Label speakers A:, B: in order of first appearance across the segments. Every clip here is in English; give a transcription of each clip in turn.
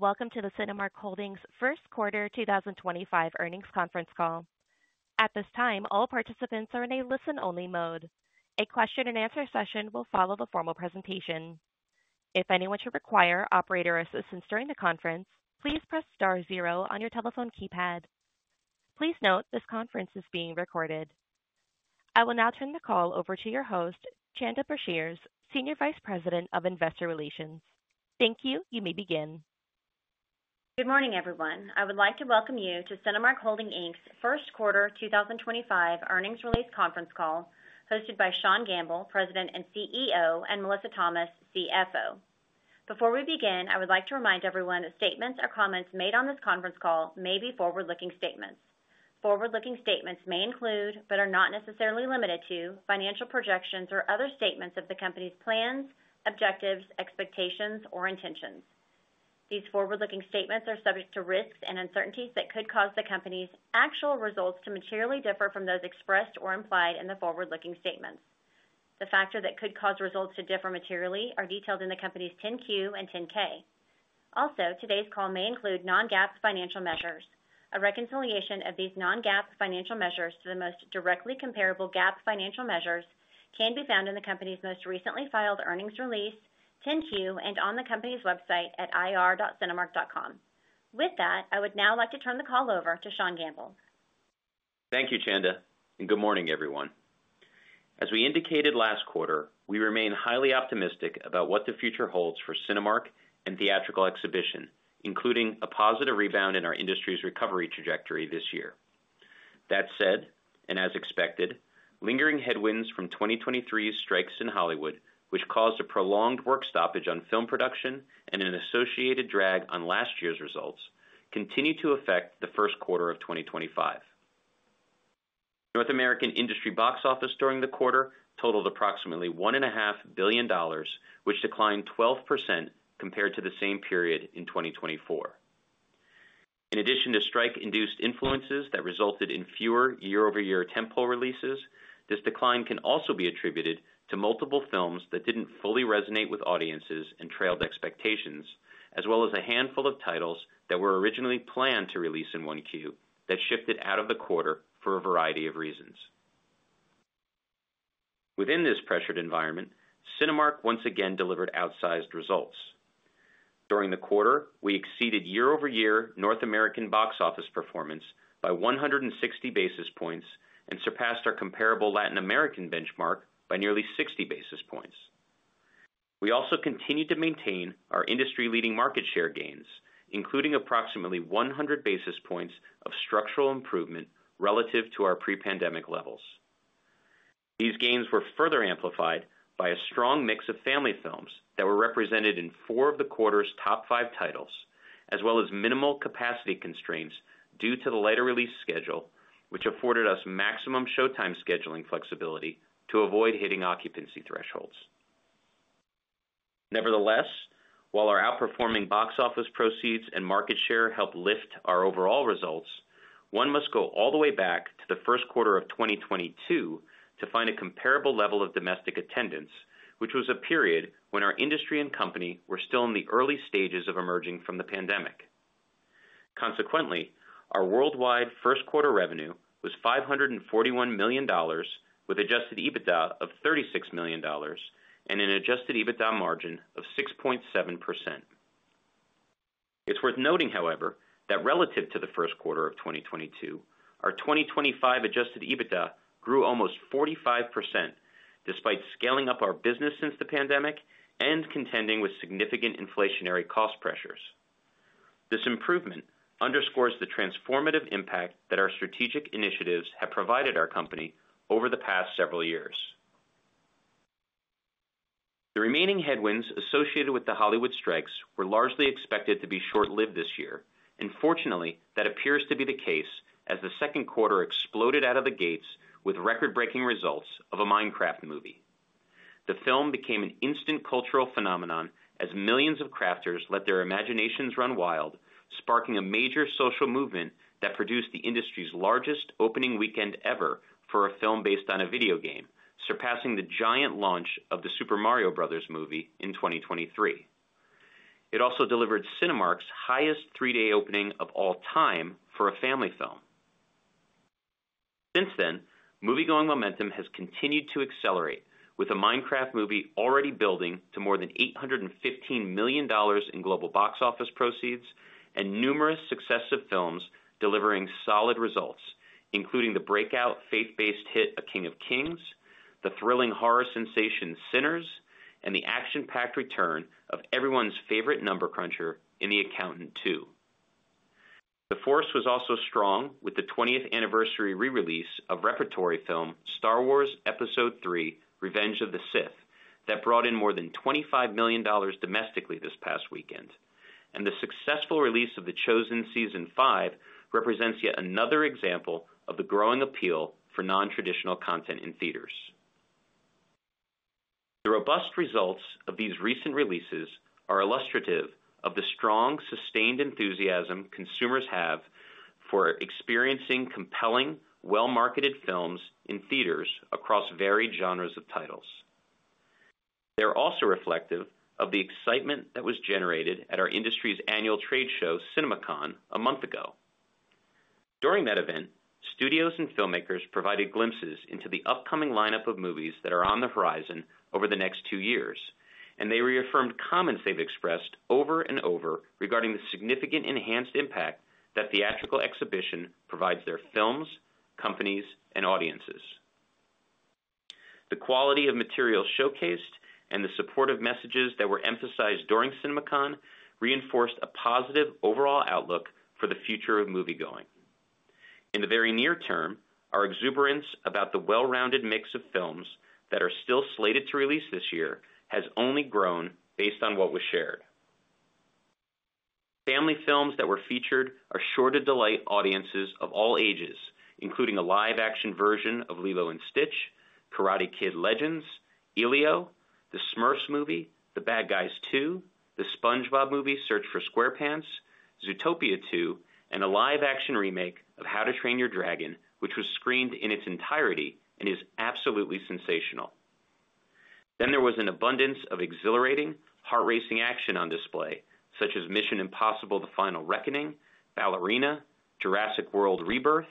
A: Welcome to the Cinemark Holdings First Quarter 2025 Earnings Conference Call. At this time, all participants are in a listen-only mode. A question and answer session will follow the formal presentation. If anyone should require operator assistance during the conference, please press star zero on your telephone keypad. Please note this conference is being recorded. I will now turn the call over to your host, Chanda Brashears, Senior Vice President of Investor Relations. Thank you. You may begin.
B: Good morning, everyone. I would like to welcome you to Cinemark Holdings' first Quarter 2025 Earnings Release Conference Call, hosted by Sean Gamble, President and CEO, and Melissa Thomas, CFO. Before we begin, I would like to remind everyone that statements or comments made on this conference call may be forward-looking statements. Forward-looking statements may include, but are not necessarily limited to, financial projections or other statements of the company's plans, objectives, expectations, or intentions. These forward-looking statements are subject to risks and uncertainties that could cause the company's actual results to materially differ from those expressed or implied in the forward-looking statements. The factors that could cause results to differ materially are detailed in the company's 10-Q and 10-K. Also, today's call may include non-GAAP financial measures. A reconciliation of these non-GAAP financial measures to the most directly comparable GAAP financial measures can be found in the company's most recently filed earnings release, 10-Q, and on the company's website at ir.cinemark.com. With that, I would now like to turn the call over to Sean Gamble.
C: Thank you, Chanda, and good morning, everyone. As we indicated last quarter, we remain highly optimistic about what the future holds for Cinemark and theatrical exhibition, including a positive rebound in our industry's recovery trajectory this year. That said, and as expected, lingering headwinds from 2023's strikes in Hollywood, which caused a prolonged work stoppage on film production and an associated drag on last year's results, continue to affect the first quarter of 2025. North American industry box office during the quarter totaled approximately $1.5 billion, which declined 12% compared to the same period in 2024. In addition to strike-induced influences that resulted in fewer year-over-year tempo-releases, this decline can also be attributed to multiple films that did not fully resonate with audiences and trailed expectations, as well as a handful of titles that were originally planned to release in 1Q that shifted out of the quarter for a variety of reasons. Within this pressured environment, Cinemark once again delivered outsized results. During the quarter, we exceeded year-over-year North American box office performance by 160 basis points and surpassed our comparable Latin American benchmark by nearly 60 basis points. We also continued to maintain our industry-leading market share gains, including approximately 100 basis points of structural improvement relative to our pre-pandemic levels. These gains were further amplified by a strong mix of family films that were represented in four of the quarter's top five titles, as well as minimal capacity constraints due to the lighter release schedule, which afforded us maximum showtime scheduling flexibility to avoid hitting occupancy thresholds. Nevertheless, while our outperforming box office proceeds and market share help lift our overall results, one must go all the way back to the first quarter of 2022 to find a comparable level of domestic attendance, which was a period when our industry and company were still in the early stages of emerging from the pandemic. Consequently, our worldwide first quarter revenue was $541 million, with adjusted EBITDA of $36 million, and an adjusted EBITDA margin of 6.7%. It's worth noting, however, that relative to the first quarter of 2022, our 2025 adjusted EBITDA grew almost 45%, despite scaling up our business since the pandemic and contending with significant inflationary cost pressures. This improvement underscores the transformative impact that our strategic initiatives have provided our company over the past several years. The remaining headwinds associated with the Hollywood strikes were largely expected to be short-lived this year, and fortunately, that appears to be the case as the second quarter exploded out of the gates with record-breaking results of a Minecraft Movie. The film became an instant cultural phenomenon as millions of crafters let their imaginations run wild, sparking a major social movement that produced the industry's largest opening weekend ever for a film based on a video game, surpassing the giant launch of the Super Mario Bros Movie in 2023. It also delivered Cinemark's highest three-day opening of all time for a family film. Since then, movie-going momentum has continued to accelerate, with a Minecraft Movie already building to more than $815 million in global box office proceeds and numerous successive films delivering solid results, including the breakout faith-based hit A King of Kings, the thrilling horror sensation Sinners, and the action-packed return of everyone's favorite number cruncher in The Accountant 2. The force was also strong with the 20th anniversary re-release of repertory film Star Wars: Episode III - Revenge of the Sith that brought in more than $25 million domestically this past weekend, and the successful release of The Chosen Season 5 represents yet another example of the growing appeal for non-traditional content in theaters. The robust results of these recent releases are illustrative of the strong, sustained enthusiasm consumers have for experiencing compelling, well-marketed films in theaters across varied genres of titles. They're also reflective of the excitement that was generated at our industry's annual trade show, CinemaCon, a month ago. During that event, studios and filmmakers provided glimpses into the upcoming lineup of movies that are on the horizon over the next two years, and they reaffirmed comments they've expressed over and over regarding the significant enhanced impact that theatrical exhibition provides their films, companies, and audiences. The quality of materials showcased and the supportive messages that were emphasized during CinemaCon reinforced a positive overall outlook for the future of movie-going. In the very near term, our exuberance about the well-rounded mix of films that are still slated to release this year has only grown based on what was shared. Family films that were featured are sure to delight audiences of all ages, including a live-action version of Lilo & Stitch, Karate Kid Legends, Elio, the Smurfs Movie, The Bad Guys 2, the SpongeBob Movie: Search for SquarePants, Zootopia 2, and a live-action remake of How to Train Your Dragon, which was screened in its entirety and is absolutely sensational. There was an abundance of exhilarating, heart-racing action on display, such as Mission: Impossible - The Final Reckoning, Ballerina, Jurassic World: Rebirth,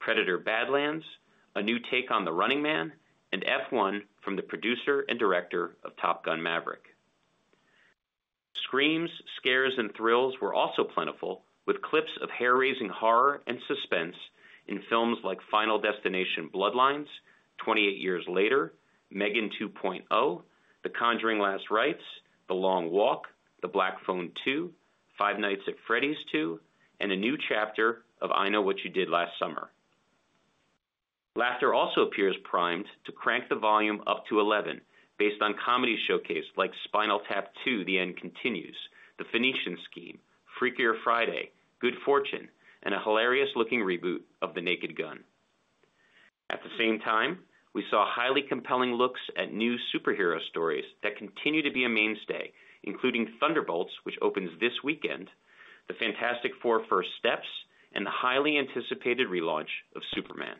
C: Predator: Badlands, A New Take on the Running Man, and F1 from the producer and director of Top Gun: Maverick. Screams, scares, and thrills were also plentiful, with clips of hair-raising horror and suspense in films like Final Destination: Bloodlines, 28 Years Later, Megan 2.0, The Conjuring: Last Rites, The Long Walk, The Black Phone 2, Five Nights at Freddy's 2, and A New Chapter of I Know What You Did Last Summer. Laughter also appears primed to crank the volume up to 11, based on comedy showcased like Spinal Tap 2: The End Continues, The Phoenician Scheme, Freakier Friday, Good Fortune, and a hilarious-looking reboot of The Naked Gun. At the same time, we saw highly compelling looks at new superhero stories that continue to be a mainstay, including Thunderbolts, which opens this weekend, The Fantastic Four: First Steps, and the highly anticipated relaunch of Superman.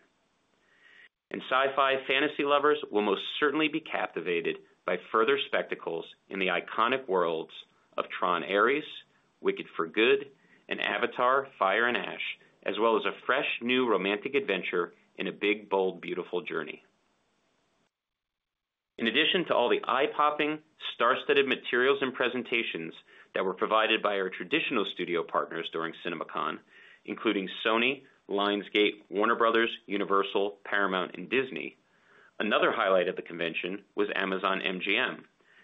C: Sci-fi fantasy lovers will most certainly be captivated by further spectacles in the iconic worlds of Tron: Ares, Wicked for Good, and Avatar: Fire and Ash, as well as a fresh new romantic adventure in A Big, Bold, Beautiful Journey. In addition to all the eye-popping, star-studded materials and presentations that were provided by our traditional studio partners during Cinemark, including Sony, Lionsgate, Warner Bros., Universal, Paramount, and Disney, another highlight of the convention was Amazon MGM,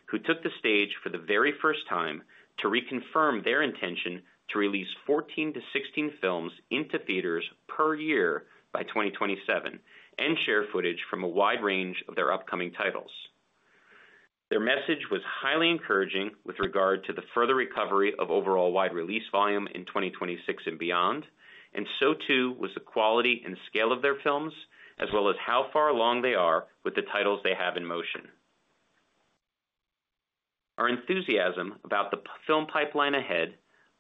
C: who took the stage for the very first time to reconfirm their intention to release 14-16 films into theaters per year by 2027 and share footage from a wide range of their upcoming titles. Their message was highly encouraging with regard to the further recovery of overall wide release volume in 2026 and beyond, and so too was the quality and scale of their films, as well as how far along they are with the titles they have in motion. Our enthusiasm about the film pipeline ahead,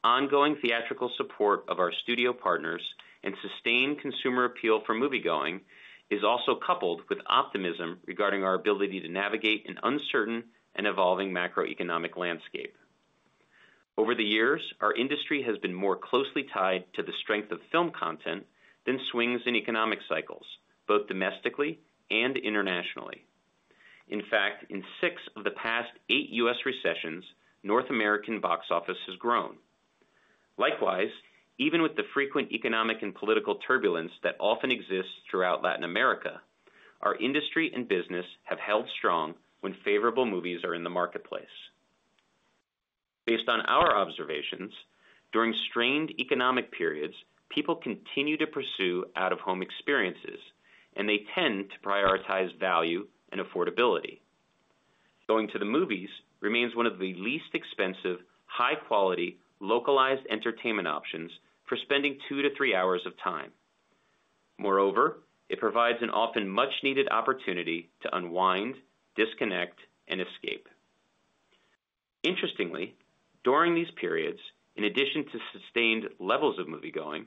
C: ongoing theatrical support of our studio partners, and sustained consumer appeal for movie-going is also coupled with optimism regarding our ability to navigate an uncertain and evolving macroeconomic landscape. Over the years, our industry has been more closely tied to the strength of film content than swings in economic cycles, both domestically and internationally. In fact, in six of the past eight U.S. recessions, North American box office has grown. Likewise, even with the frequent economic and political turbulence that often exists throughout Latin America, our industry and business have held strong when favorable movies are in the marketplace. Based on our observations, during strained economic periods, people continue to pursue out-of-home experiences, and they tend to prioritize value and affordability. Going to the movies remains one of the least expensive, high-quality, localized entertainment options for spending two to three hours of time. Moreover, it provides an often much-needed opportunity to unwind, disconnect, and escape. Interestingly, during these periods, in addition to sustained levels of movie-going,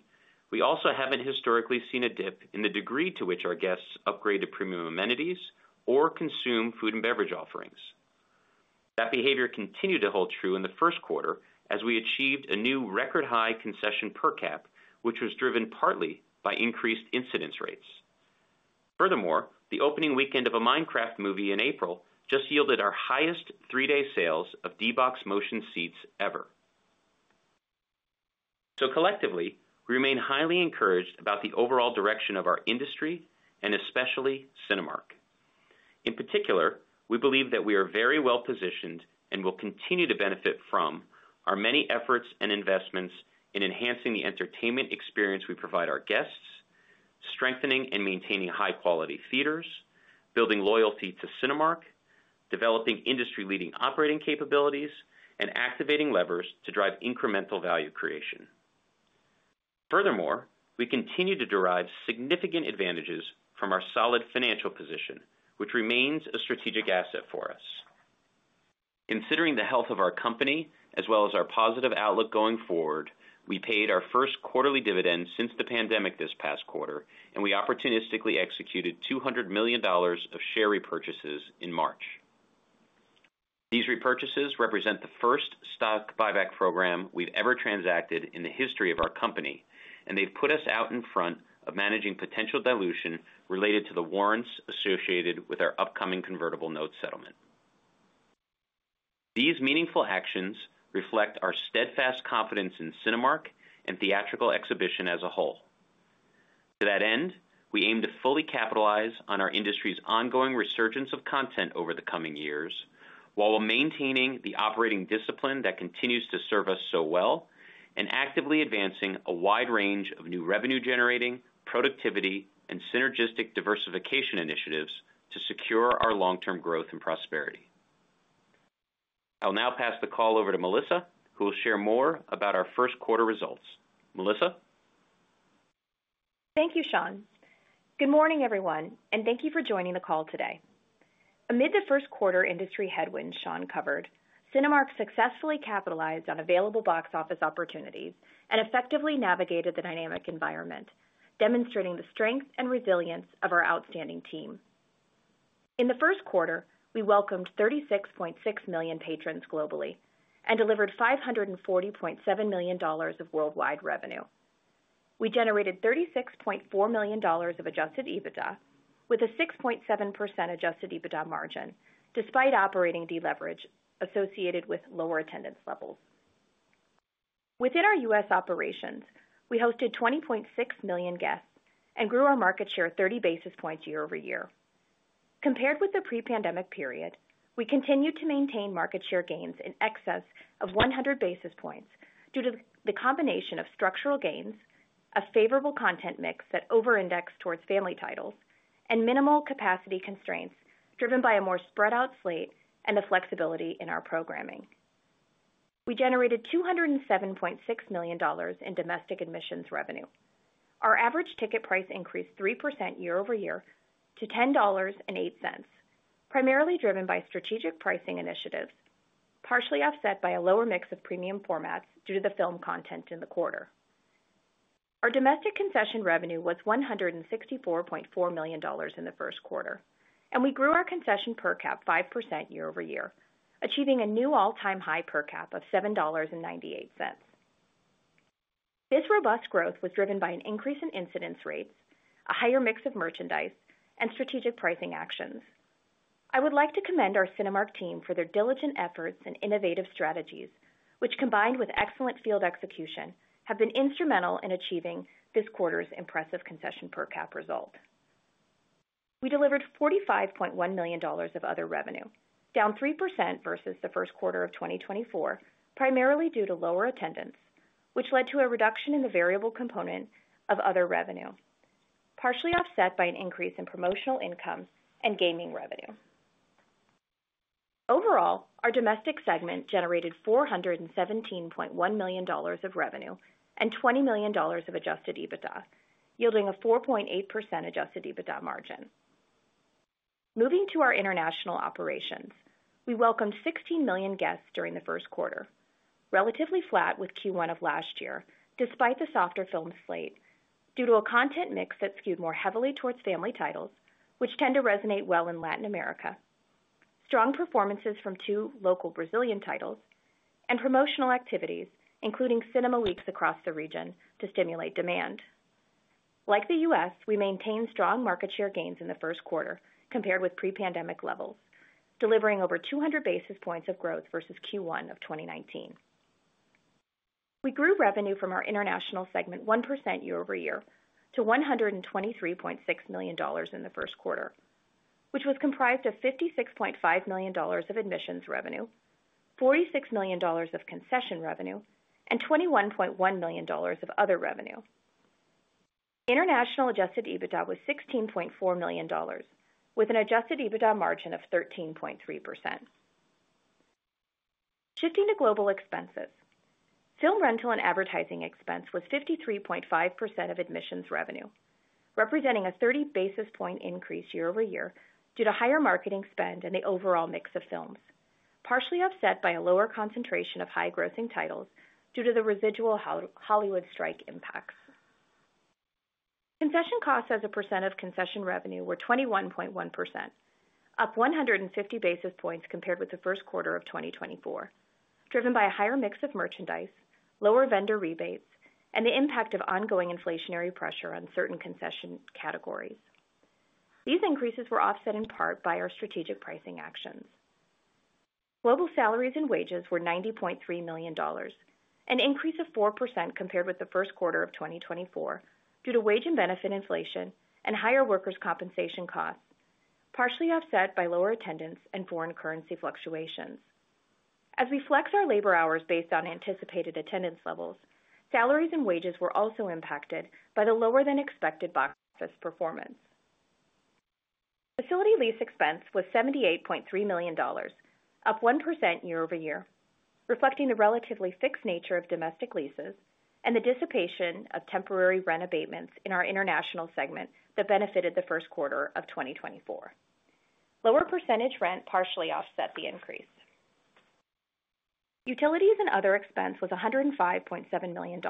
C: we also have not historically seen a dip in the degree to which our guests upgrade to premium amenities or consume food and beverage offerings. That behavior continued to hold true in the first quarter as we achieved a new record-high concession per cap, which was driven partly by increased incidence rates. Furthermore, the opening weekend of a Minecraft Movie in April just yielded our highest three-day sales of D-Box Motion Seats ever. Collectively, we remain highly encouraged about the overall direction of our industry, and especially Cinemark. In particular, we believe that we are very well positioned and will continue to benefit from our many efforts and investments in enhancing the entertainment experience we provide our guests, strengthening and maintaining high-quality theaters, building loyalty to Cinemark, developing industry-leading operating capabilities, and activating levers to drive incremental value creation. Furthermore, we continue to derive significant advantages from our solid financial position, which remains a strategic asset for us. Considering the health of our company as well as our positive outlook going forward, we paid our first quarterly dividend since the pandemic this past quarter, and we opportunistically executed $200 million of share repurchases in March. These repurchases represent the first stock buyback program we've ever transacted in the history of our company, and they've put us out in front of managing potential dilution related to the warrants associated with our upcoming convertible note settlement. These meaningful actions reflect our steadfast confidence in Cinemark and theatrical exhibition as a whole. To that end, we aim to fully capitalize on our industry's ongoing resurgence of content over the coming years, while maintaining the operating discipline that continues to serve us so well and actively advancing a wide range of new revenue-generating, productivity, and synergistic diversification initiatives to secure our long-term growth and prosperity. I'll now pass the call over to Melissa, who will share more about our first quarter results. Melissa?
D: Thank you, Sean. Good morning, everyone, and thank you for joining the call today. Amid the first quarter industry headwinds Sean covered, Cinemark successfully capitalized on available box office opportunities and effectively navigated the dynamic environment, demonstrating the strength and resilience of our outstanding team. In the first quarter, we welcomed 36.6 million patrons globally and delivered $540.7 million of worldwide revenue. We generated $36.4 million of adjusted EBITDA, with a 6.7% adjusted EBITDA margin, despite operating deleverage associated with lower attendance levels. Within our U.S. operations, we hosted 20.6 million guests and grew our market share 30 basis points year over year. Compared with the pre-pandemic period, we continue to maintain market share gains in excess of 100 basis points due to the combination of structural gains, a favorable content mix that over-indexed towards family titles, and minimal capacity constraints driven by a more spread-out slate and the flexibility in our programming. We generated $207.6 million in domestic admissions revenue. Our average ticket price increased 3% year over year to $10.08, primarily driven by strategic pricing initiatives, partially offset by a lower mix of premium formats due to the film content in the quarter. Our domestic concession revenue was $164.4 million in the first quarter, and we grew our concession per cap 5% year over year, achieving a new all-time high per cap of $7.98. This robust growth was driven by an increase in incidence rates, a higher mix of merchandise, and strategic pricing actions. I would like to commend our Cinemark team for their diligent efforts and innovative strategies, which, combined with excellent field execution, have been instrumental in achieving this quarter's impressive concession per cap result. We delivered $45.1 million of other revenue, down 3% versus the first quarter of 2024, primarily due to lower attendance, which led to a reduction in the variable component of other revenue, partially offset by an increase in promotional incomes and gaming revenue. Overall, our domestic segment generated $417.1 million of revenue and $20 million of adjusted EBITDA, yielding a 4.8% adjusted EBITDA margin. Moving to our international operations, we welcomed 16 million guests during the first quarter, relatively flat with Q1 of last year despite the softer film slate due to a content mix that skewed more heavily towards family titles, which tend to resonate well in Latin America, strong performances from two local Brazilian titles, and promotional activities, including Cinema Weeks across the region to stimulate demand. Like the U.S., we maintained strong market share gains in the first quarter compared with pre-pandemic levels, delivering over 200 basis points of growth versus Q1 of 2019. We grew revenue from our international segment 1% year over year to $123.6 million in the first quarter, which was comprised of $56.5 million of admissions revenue, $46 million of concession revenue, and $21.1 million of other revenue. International adjusted EBITDA was $16.4 million, with an adjusted EBITDA margin of 13.3%. Shifting to global expenses, film rental and advertising expense was 53.5% of admissions revenue, representing a 30 basis point increase year over year due to higher marketing spend and the overall mix of films, partially offset by a lower concentration of high-grossing titles due to the residual Hollywood strike impacts. Concession costs as a percent of concession revenue were 21.1%, up 150 basis points compared with the first quarter of 2024, driven by a higher mix of merchandise, lower vendor rebates, and the impact of ongoing inflationary pressure on certain concession categories. These increases were offset in part by our strategic pricing actions. Global salaries and wages were $90.3 million, an increase of 4% compared with the first quarter of 2024 due to wage and benefit inflation and higher workers' compensation costs, partially offset by lower attendance and foreign currency fluctuations. As we flex our labor hours based on anticipated attendance levels, salaries and wages were also impacted by the lower-than-expected box office performance. Facility lease expense was $78.3 million, up 1% year over year, reflecting the relatively fixed nature of domestic leases and the dissipation of temporary rent abatements in our international segment that benefited the first quarter of 2024. Lower percentage rent partially offset the increase. Utilities and other expense was $105.7 million,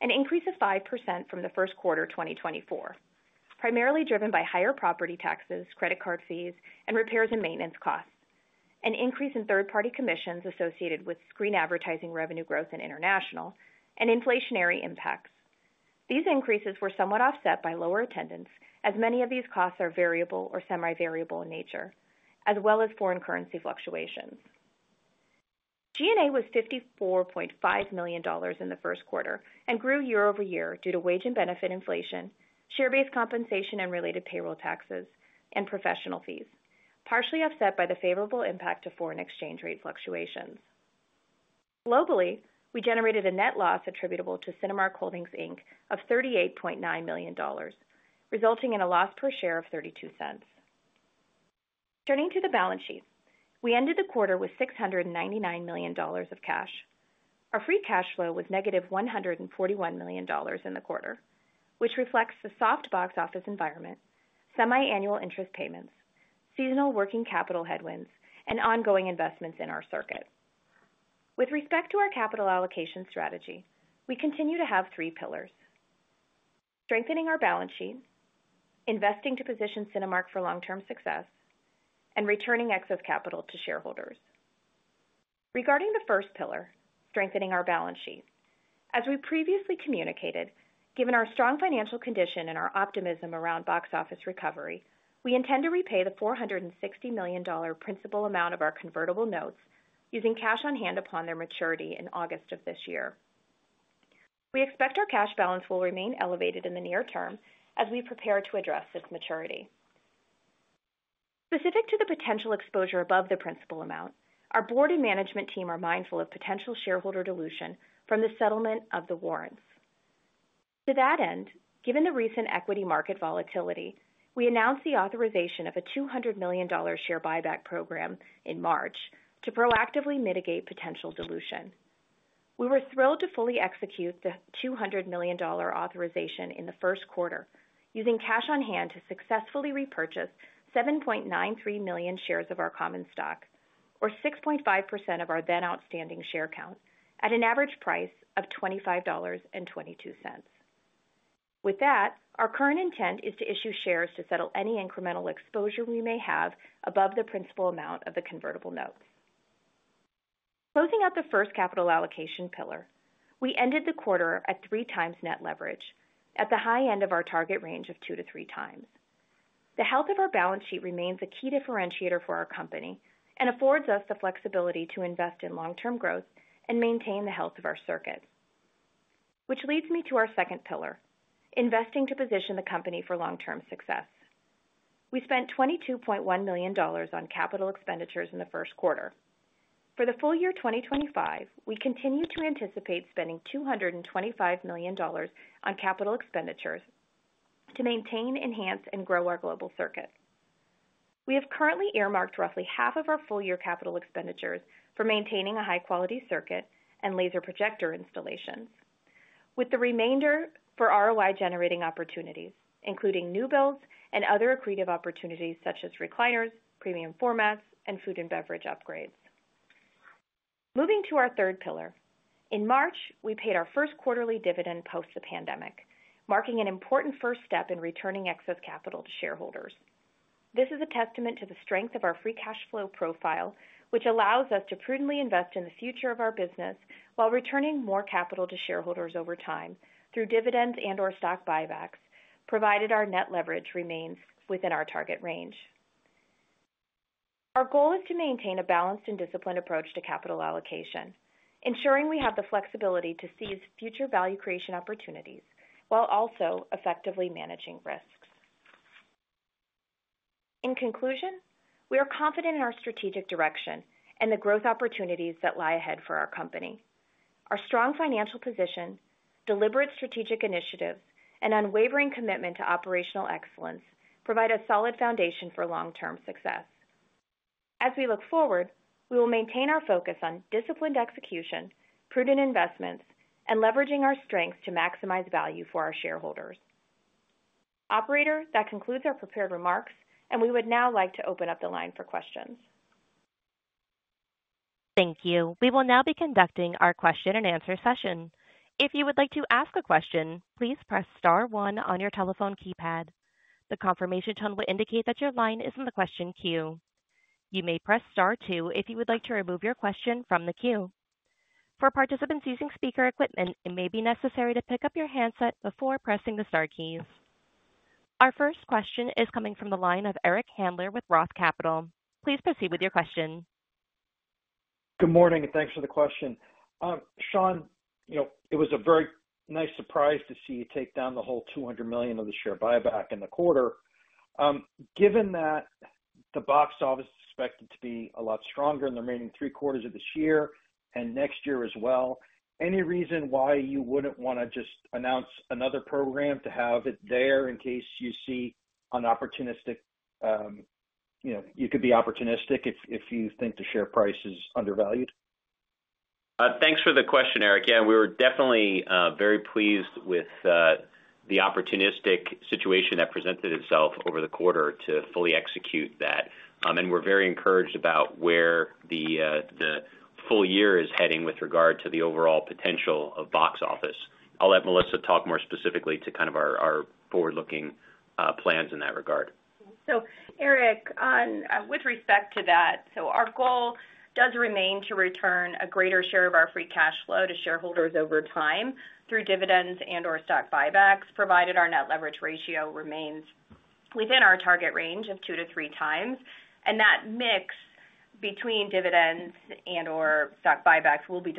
D: an increase of 5% from the first quarter of 2024, primarily driven by higher property taxes, credit card fees, and repairs and maintenance costs, an increase in third-party commissions associated with screen advertising revenue growth in international and inflationary impacts. These increases were somewhat offset by lower attendance, as many of these costs are variable or semi-variable in nature, as well as foreign currency fluctuations. G&A was $54.5 million in the first quarter and grew year over year due to wage and benefit inflation, share-based compensation and related payroll taxes, and professional fees, partially offset by the favorable impact of foreign exchange rate fluctuations. Globally, we generated a net loss attributable to Cinemark Holdings, Inc. of $38.9 million, resulting in a loss per share of $0.32. Turning to the balance sheet, we ended the quarter with $699 million of cash. Our free cash flow was negative $141 million in the quarter, which reflects the soft box office environment, semi-annual interest payments, seasonal working capital headwinds, and ongoing investments in our circuit. With respect to our capital allocation strategy, we continue to have three pillars: strengthening our balance sheet, investing to position Cinemark for long-term success, and returning excess capital to shareholders. Regarding the first pillar, strengthening our balance sheet, as we previously communicated, given our strong financial condition and our optimism around box office recovery, we intend to repay the $460 million principal amount of our convertible notes using cash on hand upon their maturity in August of this year. We expect our cash balance will remain elevated in the near term as we prepare to address this maturity. Specific to the potential exposure above the principal amount, our board and management team are mindful of potential shareholder dilution from the settlement of the warrants. To that end, given the recent equity market volatility, we announced the authorization of a $200 million share buyback program in March to proactively mitigate potential dilution. We were thrilled to fully execute the $200 million authorization in the first quarter, using cash on hand to successfully repurchase 7.93 million shares of our common stock, or 6.5% of our then outstanding share count, at an average price of $25.22. With that, our current intent is to issue shares to settle any incremental exposure we may have above the principal amount of the convertible notes. Closing out the first capital allocation pillar, we ended the quarter at three times net leverage, at the high end of our target range of two to three times. The health of our balance sheet remains a key differentiator for our company and affords us the flexibility to invest in long-term growth and maintain the health of our circuit, which leads me to our second pillar, investing to position the company for long-term success. We spent $22.1 million on capital expenditures in the first quarter. For the full year 2025, we continue to anticipate spending $225 million on capital expenditures to maintain, enhance, and grow our global circuit. We have currently earmarked roughly half of our full year capital expenditures for maintaining a high-quality circuit and laser projector installations, with the remainder for ROI-generating opportunities, including new builds and other accretive opportunities such as recliners, premium formats, and food and beverage upgrades. Moving to our third pillar, in March, we paid our first quarterly dividend post the pandemic, marking an important first step in returning excess capital to shareholders. This is a testament to the strength of our free cash flow profile, which allows us to prudently invest in the future of our business while returning more capital to shareholders over time through dividends and/or stock buybacks, provided our net leverage remains within our target range. Our goal is to maintain a balanced and disciplined approach to capital allocation, ensuring we have the flexibility to seize future value creation opportunities while also effectively managing risks. In conclusion, we are confident in our strategic direction and the growth opportunities that lie ahead for our company. Our strong financial position, deliberate strategic initiatives, and unwavering commitment to operational excellence provide a solid foundation for long-term success. As we look forward, we will maintain our focus on disciplined execution, prudent investments, and leveraging our strengths to maximize value for our shareholders. Operator, that concludes our prepared remarks, and we would now like to open up the line for questions.
A: Thank you. We will now be conducting our question and answer session. If you would like to ask a question, please press star one on your telephone keypad. The confirmation tone will indicate that your line is in the question queue. You may press star two if you would like to remove your question from the queue. For participants using speaker equipment, it may be necessary to pick up your handset before pressing the star keys. Our first question is coming from the line of Eric Handler with ROTH Capital. Please proceed with your question.
E: Good morning, and thanks for the question. Sean, you know it was a very nice surprise to see you take down the whole $200 million of the share buyback in the quarter. Given that the box office is expected to be a lot stronger in the remaining three quarters of this year and next year as well? Any reason why you wouldn't want to just announce another program to have it there in case you see an opportunistic—you could be opportunistic if you think the share price is undervalued?
C: Thanks for the question, Eric. Yeah, we were definitely very pleased with the opportunistic situation that presented itself over the quarter to fully execute that. We are very encouraged about where the full year is heading with regard to the overall potential of box office. I'll let Melissa talk more specifically to kind of our forward-looking plans in that regard.
D: Eric, with respect to that, our goal does remain to return a greater share of our free cash flow to shareholders over time through dividends and/or stock buybacks, provided our net leverage ratio remains within our target range of two to three times. That mix between dividends and/or stock buybacks will be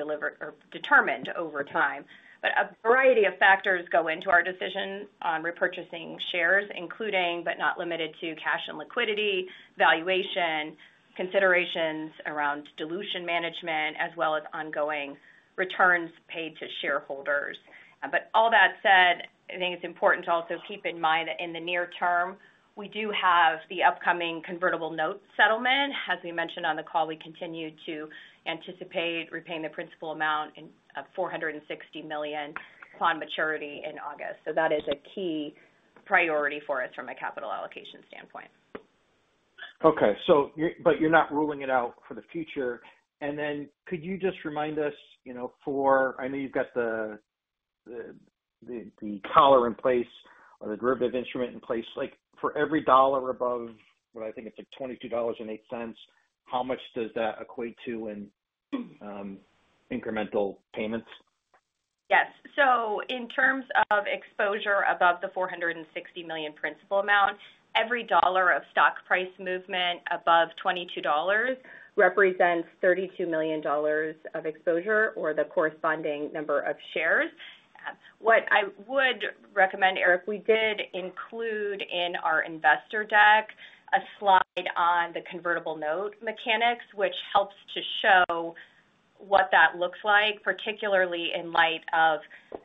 D: determined over time. A variety of factors go into our decision on repurchasing shares, including but not limited to cash and liquidity, valuation, considerations around dilution management, as well as ongoing returns paid to shareholders. All that said, I think it's important to also keep in mind that in the near term, we do have the upcoming convertible note settlement. As we mentioned on the call, we continue to anticipate repaying the principal amount of $460 million upon maturity in August. That is a key priority for us from a capital allocation standpoint.
E: Okay. You're not ruling it out for the future. Could you just remind us, for I know you've got the collar in place or the derivative instrument in place, for every dollar above what I think is like $22.08, how much does that equate to in incremental payments?
D: Yes. In terms of exposure above the $460 million principal amount, every dollar of stock price movement above $22 represents $32 million of exposure or the corresponding number of shares. What I would recommend, Eric, we did include in our investor deck a slide on the convertible note mechanics, which helps to show what that looks like, particularly in light of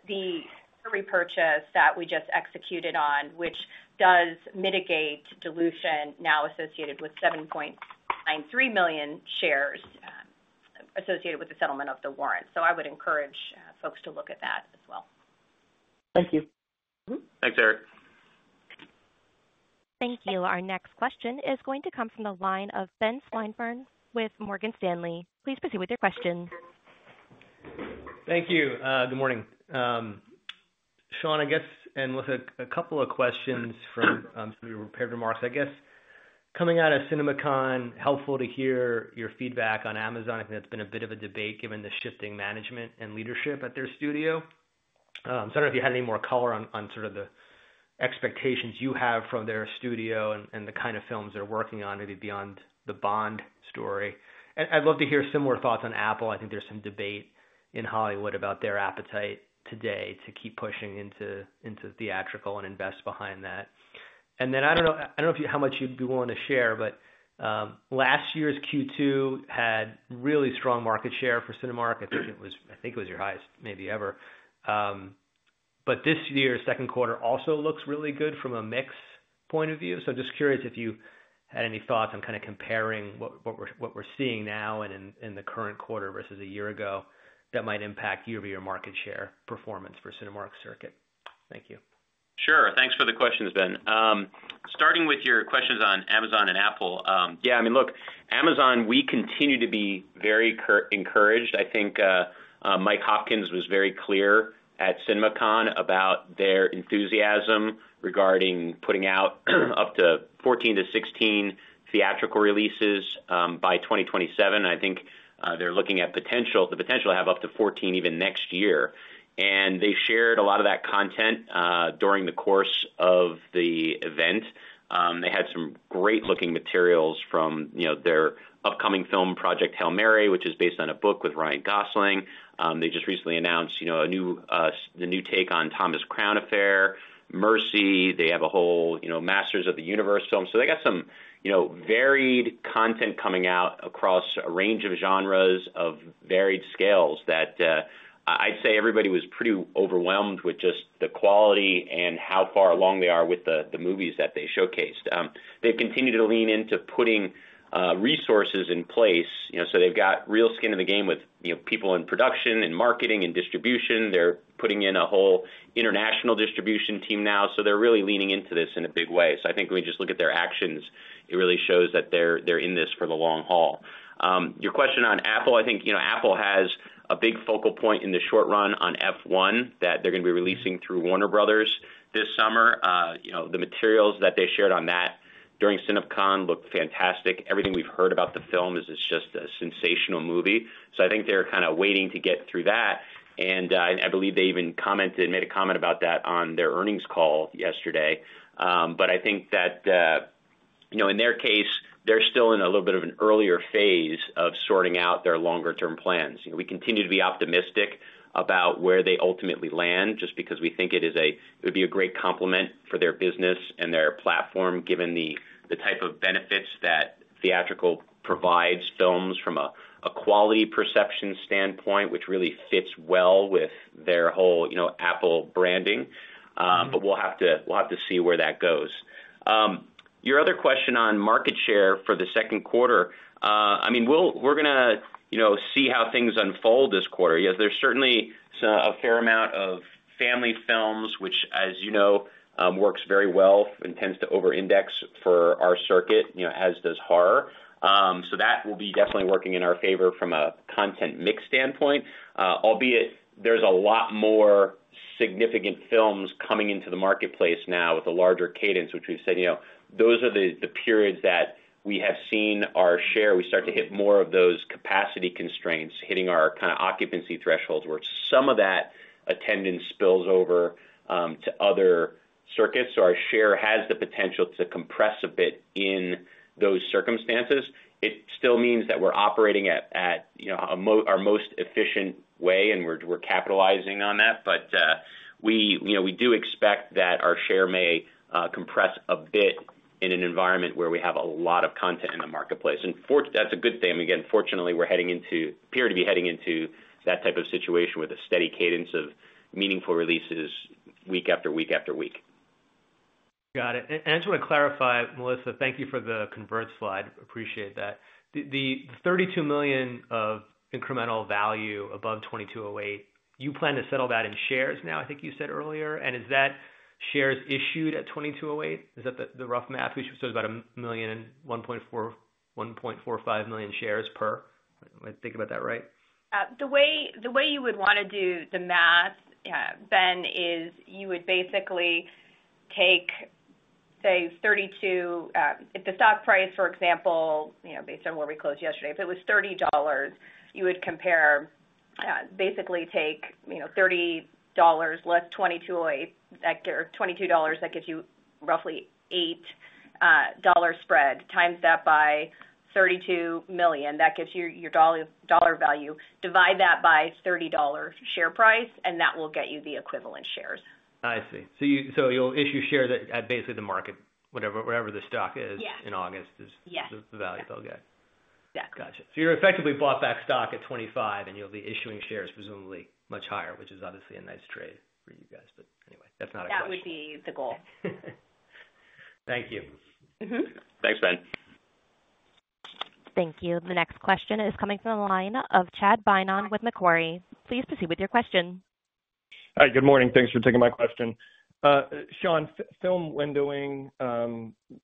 D: the repurchase that we just executed on, which does mitigate dilution now associated with 7.93 million shares associated with the settlement of the warrant. I would encourage folks to look at that as well.
E: Thank you.
C: Thanks, Eric.
A: Thank you. Our next question is going to come from the line of Ben Swinburne with Morgan Stanley. Please proceed with your question.
F: Thank you. Good morning. Sean, I guess, and with a couple of questions from some of your prepared remarks, I guess, coming out of CinemaCon, helpful to hear your feedback on Amazon. I think that's been a bit of a debate given the shifting management and leadership at their studio. I do not know if you had any more color on sort of the expectations you have from their studio and the kind of films they're working on, maybe beyond the Bond story? I'd love to hear similar thoughts on Apple. I think there's some debate in Hollywood about their appetite today to keep pushing into theatrical and invest behind that. I don't know how much you'd be willing to share, but last year's Q2 had really strong market share for Cinemark. I think it was your highest maybe ever? This year's second quarter also looks really good from a mix point of view? I'm just curious if you had any thoughts on kind of comparing what we're seeing now and in the current quarter versus a year ago that might impact year-to-year market share performance for Cinemark's circuit. Thank you.
C: Sure. Thanks for the questions, Ben. Starting with your questions on Amazon and Apple. Yeah, I mean, look, Amazon, we continue to be very encouraged. I think Mike Hopkins was very clear at CinemaCon about their enthusiasm regarding putting out up to 14-16 theatrical releases by 2027. I think they're looking at the potential to have up to 14 even next year. They shared a lot of that content during the course of the event. They had some great-looking materials from their upcoming film, Project Hail Mary, which is based on a book with Ryan Gosling. They just recently announced the new take on Thomas Crown Affair, Mercy. They have a whole Masters of the Universe film. They got some varied content coming out across a range of genres of varied scales that I'd say everybody was pretty overwhelmed with just the quality and how far along they are with the movies that they showcased. They've continued to lean into putting resources in place. They've got real skin in the game with people in production and marketing and distribution. They're putting in a whole international distribution team now. They're really leaning into this in a big way. I think when you just look at their actions, it really shows that they're in this for the long haul. Your question on Apple, I think Apple has a big focal point in the short run on F1 that they're going to be releasing through Warner Brothers this summer. The materials that they shared on that during CinemaCon looked fantastic. Everything we've heard about the film is just a sensational movie. I think they're kind of waiting to get through that. I believe they even made a comment about that on their earnings call yesterday. I think that in their case, they're still in a little bit of an earlier phase of sorting out their longer-term plans. We continue to be optimistic about where they ultimately land just because we think it would be a great complement for their business and their platform, given the type of benefits that theatrical provides films from a quality perception standpoint, which really fits well with their whole Apple branding. We will have to see where that goes. Your other question on market share for the second quarter, I mean, we are going to see how things unfold this quarter. There is certainly a fair amount of family films, which, as you know, works very well and tends to over-index for our circuit, as does horror. That will be definitely working in our favor from a content mix standpoint, albeit there is a lot more significant films coming into the marketplace now with a larger cadence, which we have said those are the periods that we have seen our share. We start to hit more of those capacity constraints, hitting our kind of occupancy thresholds where some of that attendance spills over to other circuits. Our share has the potential to compress a bit in those circumstances. It still means that we're operating at our most efficient way, and we're capitalizing on that. We do expect that our share may compress a bit in an environment where we have a lot of content in the marketplace. That is a good thing. I mean, again, fortunately, we're appearing to be heading into that type of situation with a steady cadence of meaningful releases week after week after week.
F: Got it. I just want to clarify, Melissa, thank you for the converged slide. Appreciate that. The $32 million of incremental value above 2208, you plan to settle that in shares now, I think you said earlier. Is that shares issued at 2208? Is that the rough math we should? It is about 1.45 million shares per? I think about that right?
D: The way you would want to do the math, Ben, is you would basically take, say, $32. If the stock price, for example, based on where we closed yesterday, if it was $30, you would compare, basically take $30 less $22 that gives you roughly $8 spread. Times that by $32 million, that gives you your dollar value. Divide that by $30 share price, and that will get you the equivalent shares.
F: I see. You will issue shares at basically the market, whatever the stock is in August is the value they will get.
D: Exactly.
F: Gotcha. You are effectively bought back stock at $25, and you will be issuing shares presumably much higher, which is obviously a nice trade for you guys. But anyway, that's not a question.
D: That would be the goal.
F: Thank you.
C: Thanks, Ben.
A: Thank you. The next question is coming from the line of Chad Beynon with Macquarie. Please proceed with your question.
G: Hi. Good morning. Thanks for taking my question. Sean, film windowing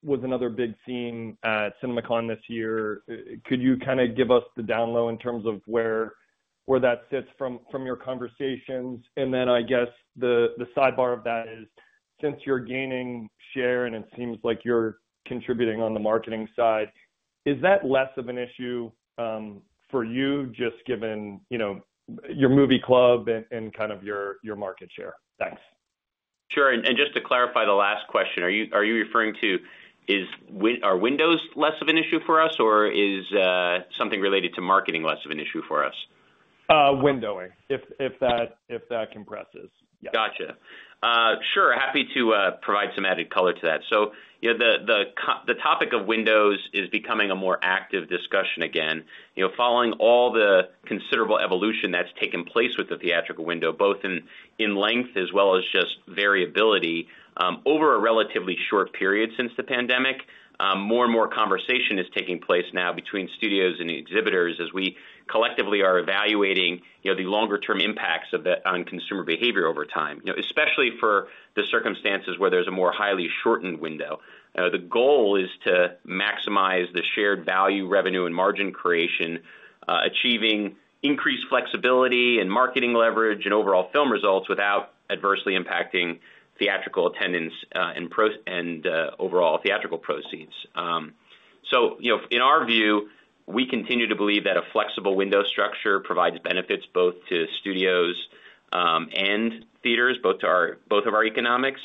G: was another big theme at CinemaCon this year. Could you kind of give us the down low in terms of where that sits from your conversations? And then I guess the sidebar of that is, since you're gaining share and it seems like you're contributing on the marketing side, is that less of an issue for you just given your Movie Club and kind of your market share? Thanks.
C: Sure. And just to clarify the last question, are you referring to are windows less of an issue for us, or is something related to marketing less of an issue for us?
G: Windowing, if that compresses. Yes.
C: Gotcha. Sure. Happy to provide some added color to that. The topic of windows is becoming a more active discussion again. Following all the considerable evolution that's taken place with the theatrical window, both in length as well as just variability, over a relatively short period since the pandemic, more and more conversation is taking place now between studios and exhibitors as we collectively are evaluating the longer-term impacts on consumer behavior over time, especially for the circumstances where there's a more highly shortened window. The goal is to maximize the shared value, revenue, and margin creation, achieving increased flexibility and marketing leverage and overall film results without adversely impacting theatrical attendance and overall theatrical proceeds. In our view, we continue to believe that a flexible window structure provides benefits both to studios and theaters, both of our economics.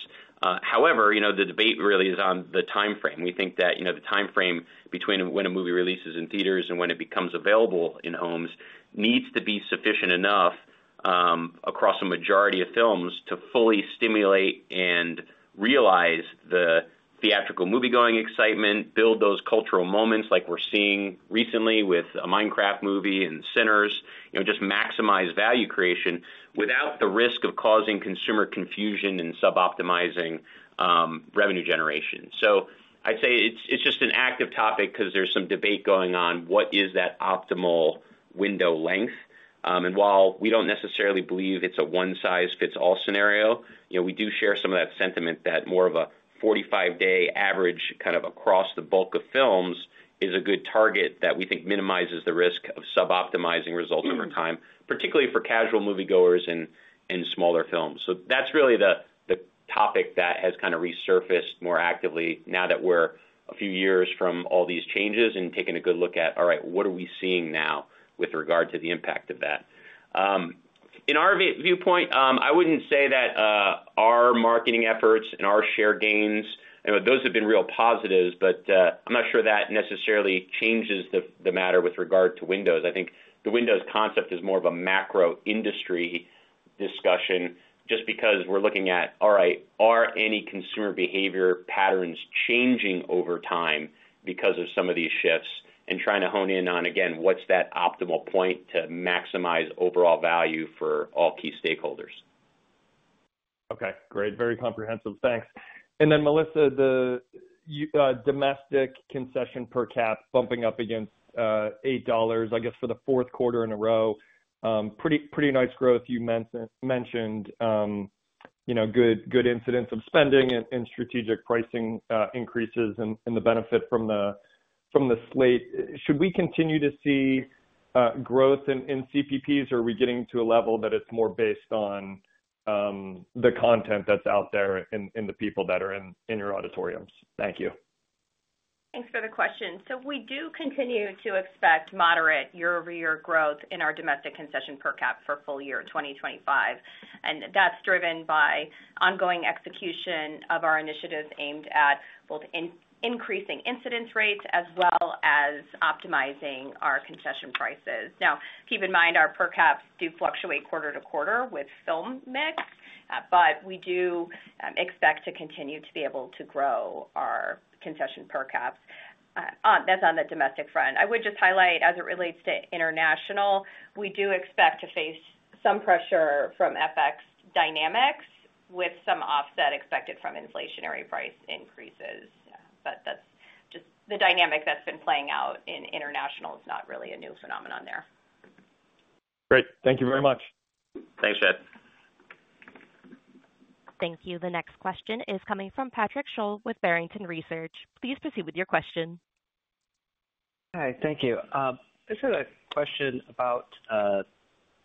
C: However, the debate really is on the timeframe. We think that the timeframe between when a movie releases in theaters and when it becomes available in homes needs to be sufficient enough across a majority of films to fully stimulate and realize the theatrical movie-going excitement, build those cultural moments like we're seeing recently with a Minecraft movie and Sinners, just maximize value creation without the risk of causing consumer confusion and suboptimizing revenue generation. I'd say it's just an active topic because there's some debate going on what is that optimal window length. While we don't necessarily believe it's a one-size-fits-all scenario, we do share some of that sentiment that more of a 45-day average kind of across the bulk of films is a good target that we think minimizes the risk of suboptimizing results over time, particularly for casual moviegoers and smaller films. That is really the topic that has kind of resurfaced more actively now that we are a few years from all these changes and taking a good look at, all right, what are we seeing now with regard to the impact of that? In our viewpoint, I would not say that our marketing efforts and our share gains, those have been real positives, but I am not sure that necessarily changes the matter with regard to windows. I think the windows concept is more of a macro industry discussion just because we are looking at, all right, are any consumer behavior patterns changing over time because of some of these shifts and trying to hone in on, again, what is that optimal point to maximize overall value for all key stakeholders?
G: Okay. Great. Very comprehensive. Thanks. Melissa, the domestic concession per cap bumping up against $8, I guess, for the fourth quarter in a row. Pretty nice growth you mentioned. Good incidence of spending and strategic pricing increases and the benefit from the slate. Should we continue to see growth in CPPs, or are we getting to a level that it's more based on the content that's out there and the people that are in your auditoriums? Thank you.
D: Thanks for the question. We do continue to expect moderate year-over-year growth in our domestic concession per cap for full year 2025. That's driven by ongoing execution of our initiatives aimed at both increasing incidence rates as well as optimizing our concession prices. Now, keep in mind, our per caps do fluctuate quarter to quarter with film mix, but we do expect to continue to be able to grow our concession per caps. That's on the domestic front. I would just highlight, as it relates to international, we do expect to face some pressure from FX dynamics with some offset expected from inflationary price increases. That's just the dynamic that's been playing out in international, is not really a new phenomenon there.
G: Great. Thank you very much.
C: Thanks, Chad.
A: Thank you. The next question is coming from Patrick Sholl with Barrington Research. Please proceed with your question.
H: Hi. Thank you. This is a question about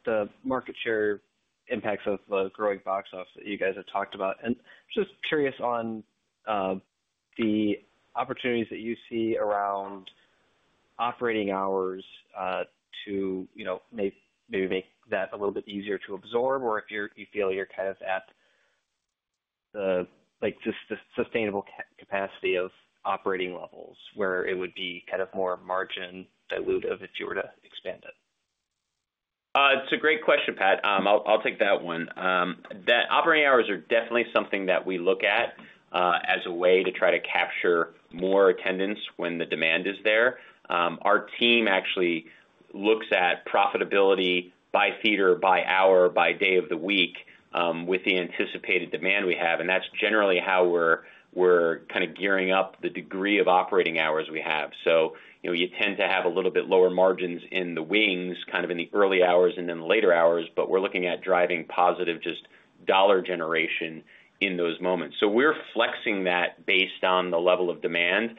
H: the market share impacts of the growing box office that you guys have talked about. I'm just curious on the opportunities that you see around operating hours to maybe make that a little bit easier to absorb, or if you feel you're kind of at the sustainable capacity of operating levels where it would be kind of more margin dilutive if you were to expand it?
C: It's a great question, Pat. I'll take that one. The operating hours are definitely something that we look at as a way to try to capture more attendance when the demand is there. Our team actually looks at profitability by theater, by hour, by day of the week with the anticipated demand we have. That's generally how we're kind of gearing up the degree of operating hours we have. You tend to have a little bit lower margins in the wings, kind of in the early hours and then later hours, but we're looking at driving positive just dollar generation in those moments. We're flexing that based on the level of demand.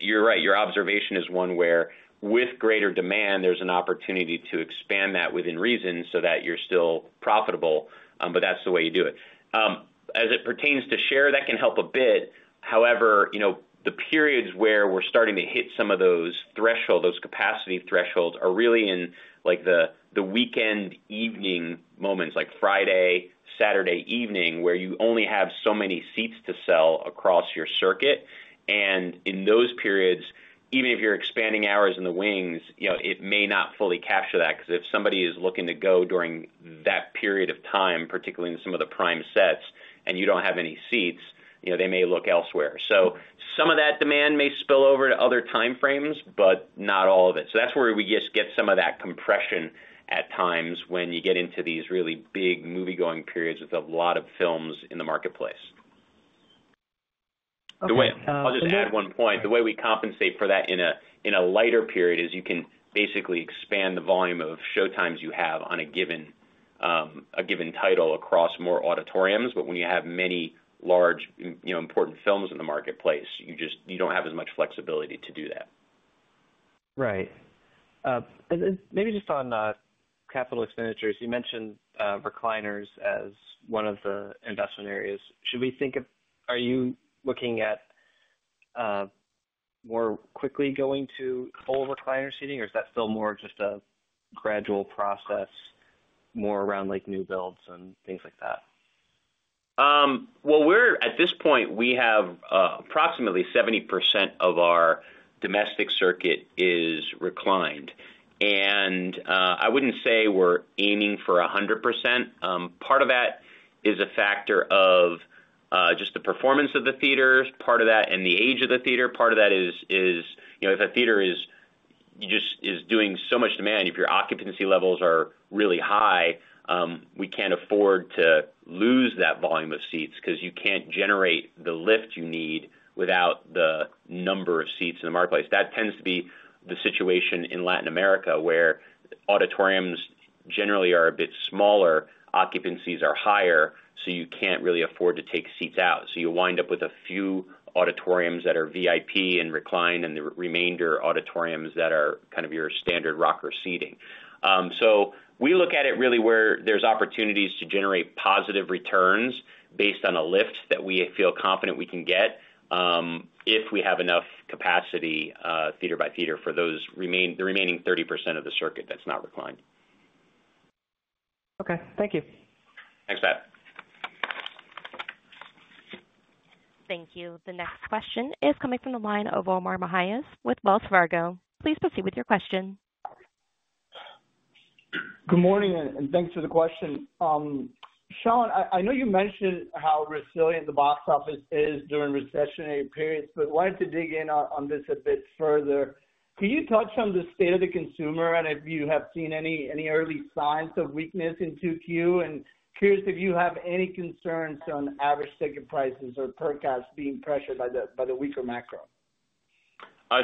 C: You're right, your observation is one where with greater demand, there's an opportunity to expand that within reason so that you're still profitable, but that's the way you do it. As it pertains to share, that can help a bit. However, the periods where we're starting to hit some of those thresholds, those capacity thresholds, are really in the weekend evening moments, like Friday, Saturday evening, where you only have so many seats to sell across your circuit. In those periods, even if you're expanding hours in the wings, it may not fully capture that because if somebody is looking to go during that period of time, particularly in some of the prime sets, and you don't have any seats, they may look elsewhere. Some of that demand may spill over to other time frames, but not all of it. That is where we just get some of that compression at times when you get into these really big movie-going periods with a lot of films in the marketplace. I'll just add one point. The way we compensate for that in a lighter period is you can basically expand the volume of showtimes you have on a given title across more auditoriums. When you have many large, important films in the marketplace, you do not have as much flexibility to do that.
H: Right. Maybe just on capital expenditures, you mentioned recliners as one of the investment areas. Should we think of are you looking at more quickly going to full recliner seating, or is that still more just a gradual process more around new builds and things like that?
C: At this point, we have approximately 70% of our domestic circuit is reclined. I would not say we are aiming for 100%. Part of that is a factor of just the performance of the theaters. Part of that and the age of the theater. Part of that is if a theater is doing so much demand, if your occupancy levels are really high, we can't afford to lose that volume of seats because you can't generate the lift you need without the number of seats in the marketplace. That tends to be the situation in Latin America where auditoriums generally are a bit smaller, occupancies are higher, so you can't really afford to take seats out. You wind up with a few auditoriums that are VIP and reclined and the remainder auditoriums that are kind of your standard rocker seating. We look at it really where there's opportunities to generate positive returns based on a lift that we feel confident we can get if we have enough capacity theater by theater for the remaining 30% of the circuit that's not reclined.
H: Okay. Thank you.
C: Thanks, Pat.
A: Thank you. The next question is coming from the line of Omar Mejias with Wells Fargo. Please proceed with your question.
I: Good morning and thanks for the question. Sean, I know you mentioned how resilient the box office is during recessionary periods, but I wanted to dig in on this a bit further. Can you touch on the state of the consumer and if you have seen any early signs of weakness in 2Q? I am curious if you have any concerns on average ticket prices or per caps being pressured by the weaker macro?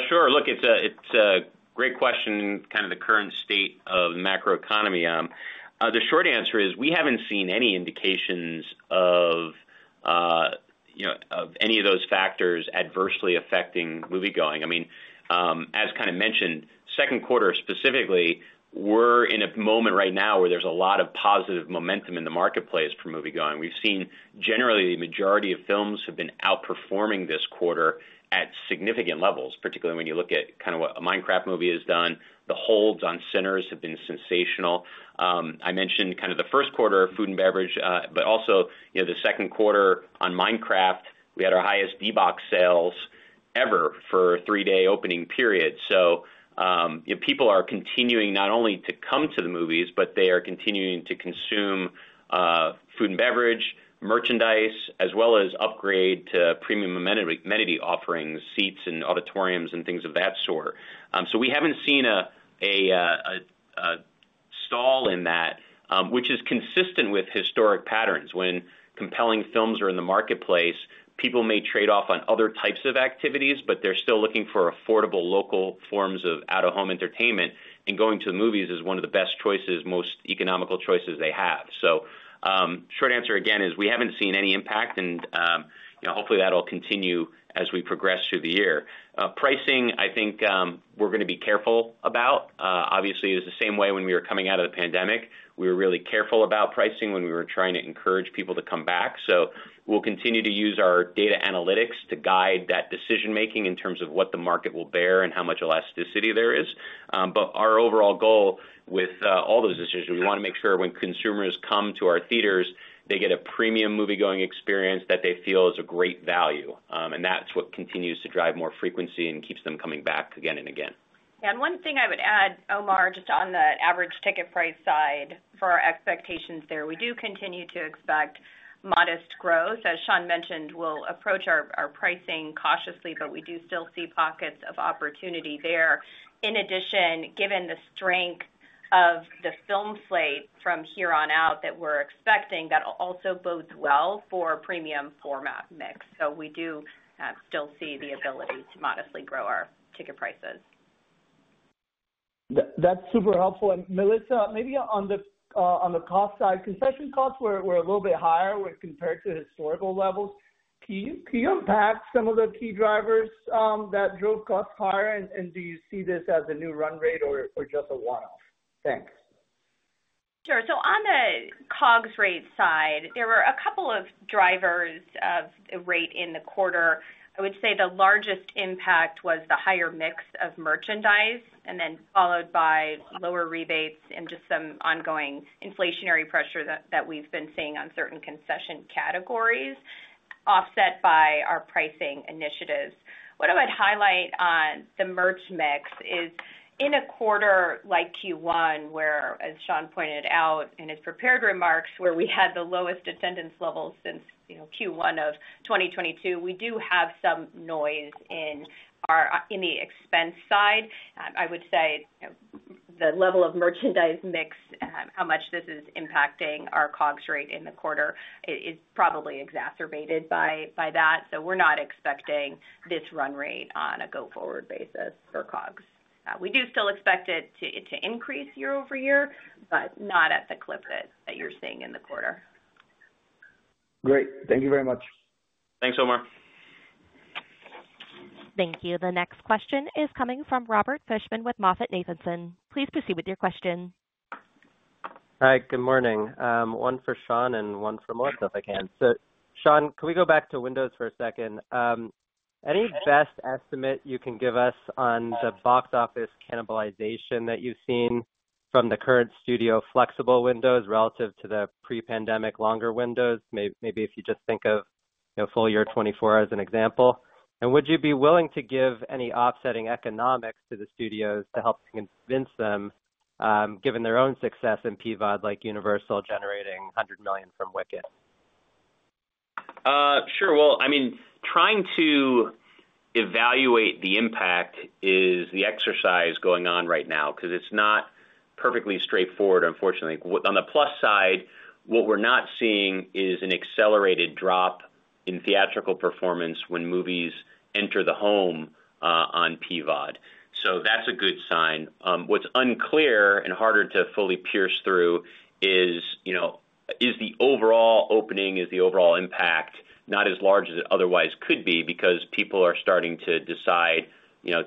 C: Sure. Look, it's a great question in kind of the current state of macroeconomy. The short answer is we haven't seen any indications of any of those factors adversely affecting movie-going. I mean, as kind of mentioned, second quarter specifically, we're in a moment right now where there's a lot of positive momentum in the marketplace for movie-going. We've seen generally the majority of films have been outperforming this quarter at significant levels, particularly when you look at kind of what a Minecraft Movie has done. The holds on Sinners have been sensational. I mentioned kind of the first quarter of food and beverage, but also the second quarter on Minecraft, we had our highest D-Box sales ever for a three-day opening period. People are continuing not only to come to the movies, but they are continuing to consume food and beverage, merchandise, as well as upgrade to premium amenity offerings, seats in auditoriums, and things of that sort. We haven't seen a stall in that, which is consistent with historic patterns. When compelling films are in the marketplace, people may trade off on other types of activities, but they're still looking for affordable local forms of out-of-home entertainment, and going to the movies is one of the best choices, most economical choices they have. The short answer again is we haven't seen any impact, and hopefully that'll continue as we progress through the year. Pricing, I think we're going to be careful about. Obviously, it was the same way when we were coming out of the pandemic. We were really careful about pricing when we were trying to encourage people to come back. We will continue to use our data analytics to guide that decision-making in terms of what the market will bear and how much elasticity there is. Our overall goal with all those decisions, we want to make sure when consumers come to our theaters, they get a premium movie-going experience that they feel is a great value. That is what continues to drive more frequency and keeps them coming back again and again.
D: Yeah. One thing I would add, Omar, just on the average ticket price side for our expectations there, we do continue to expect modest growth. As Sean mentioned, we will approach our pricing cautiously, but we do still see pockets of opportunity there. In addition, given the strength of the film slate from here on out that we are expecting, that also bodes well for premium format mix. We do still see the ability to modestly growour ticket prices.
I: That is super helpful. Melissa, maybe on the cost side, concession costs were a little bit higher when compared to historical levels. Can you unpack some of the key drivers that drove costs higher, and do you see this as a new run rate or just a one-off? Thanks.
D: Sure. On the COGS rate side, there were a couple of drivers of the rate in the quarter. I would say the largest impact was the higher mix of merchandise, followed by lower rebates and just some ongoing inflationary pressure that we have been seeing on certain concession categories, offset by our pricing initiatives. What I would highlight on the merch mix is in a quarter like Q1, where, as Sean pointed out in his prepared remarks, we had the lowest attendance levels since Q1 of 2022, we do have some noise in the expense side. I would say the level of merchandise mix, how much this is impacting our COGS rate in the quarter, is probably exacerbated by that. We're not expecting this run rate on a go-forward basis for COGS. We do still expect it to increase year-over-year, but not at the clip that you're seeing in the quarter.
I: Great. Thank you very much.
C: Thanks, Omar.
A: Thank you. The next question is coming from Robert Fishman with MoffettNathanson. Please proceed with your question.
J: Hi. Good morning. One for Sean and one for Melissa, if I can. Sean, can we go back to windows for a second? Any best estimate you can give us on the box office cannibalization that you've seen from the current studio flexible windows relative to the pre-pandemic longer windows, maybe if you just think of full year 2024 as an example? Would you be willing to give any offsetting economics to the studios to help convince them, given their own success in PVOD like Universal generating $100 million from Wicked?
C: Sure. I mean, trying to evaluate the impact is the exercise going on right now because it's not perfectly straightforward, unfortunately. On the plus side, what we're not seeing is an accelerated drop in theatrical performance when movies enter the home on PVOD. That's a good sign. What's unclear and harder to fully pierce through is the overall opening, is the overall impact not as large as it otherwise could be because people are starting to decide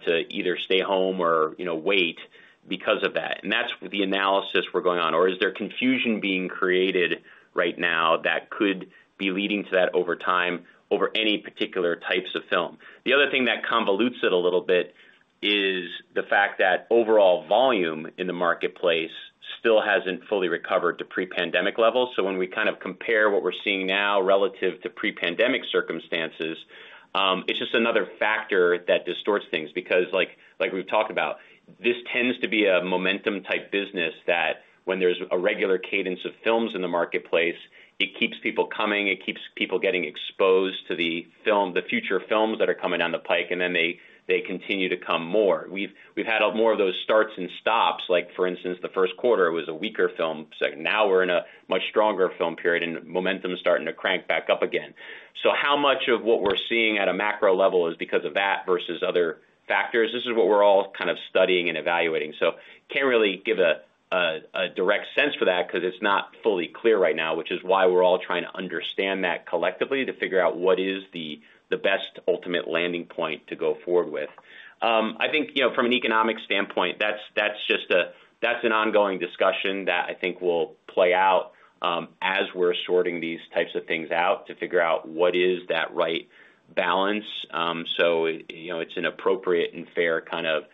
C: to either stay home or wait because of that. That's the analysis we're going on. Is there confusion being created right now that could be leading to that over time over any particular types of film? The other thing that convolutes it a little bit is the fact that overall volume in the marketplace still hasn't fully recovered to pre-pandemic levels. When we kind of compare what we're seeing now relative to pre-pandemic circumstances, it's just another factor that distorts things because, like we've talked about, this tends to be a momentum-type business that when there's a regular cadence of films in the marketplace, it keeps people coming. It keeps people getting exposed to the future films that are coming down the pike, and then they continue to come more. We've had more of those starts and stops. For instance, the first quarter was a weaker film. Now we're in a much stronger film period, and momentum is starting to crank back up again. How much of what we're seeing at a macro level is because of that versus other factors? This is what we're all kind of studying and evaluating. I can't really give a direct sense for that because it's not fully clear right now, which is why we're all trying to understand that collectively to figure out what is the best ultimate landing point to go forward with. I think from an economic standpoint, that's an ongoing discussion that I think will play out as we're sorting these types of things out to figure out what is that right balance. It's an appropriate and fair kindof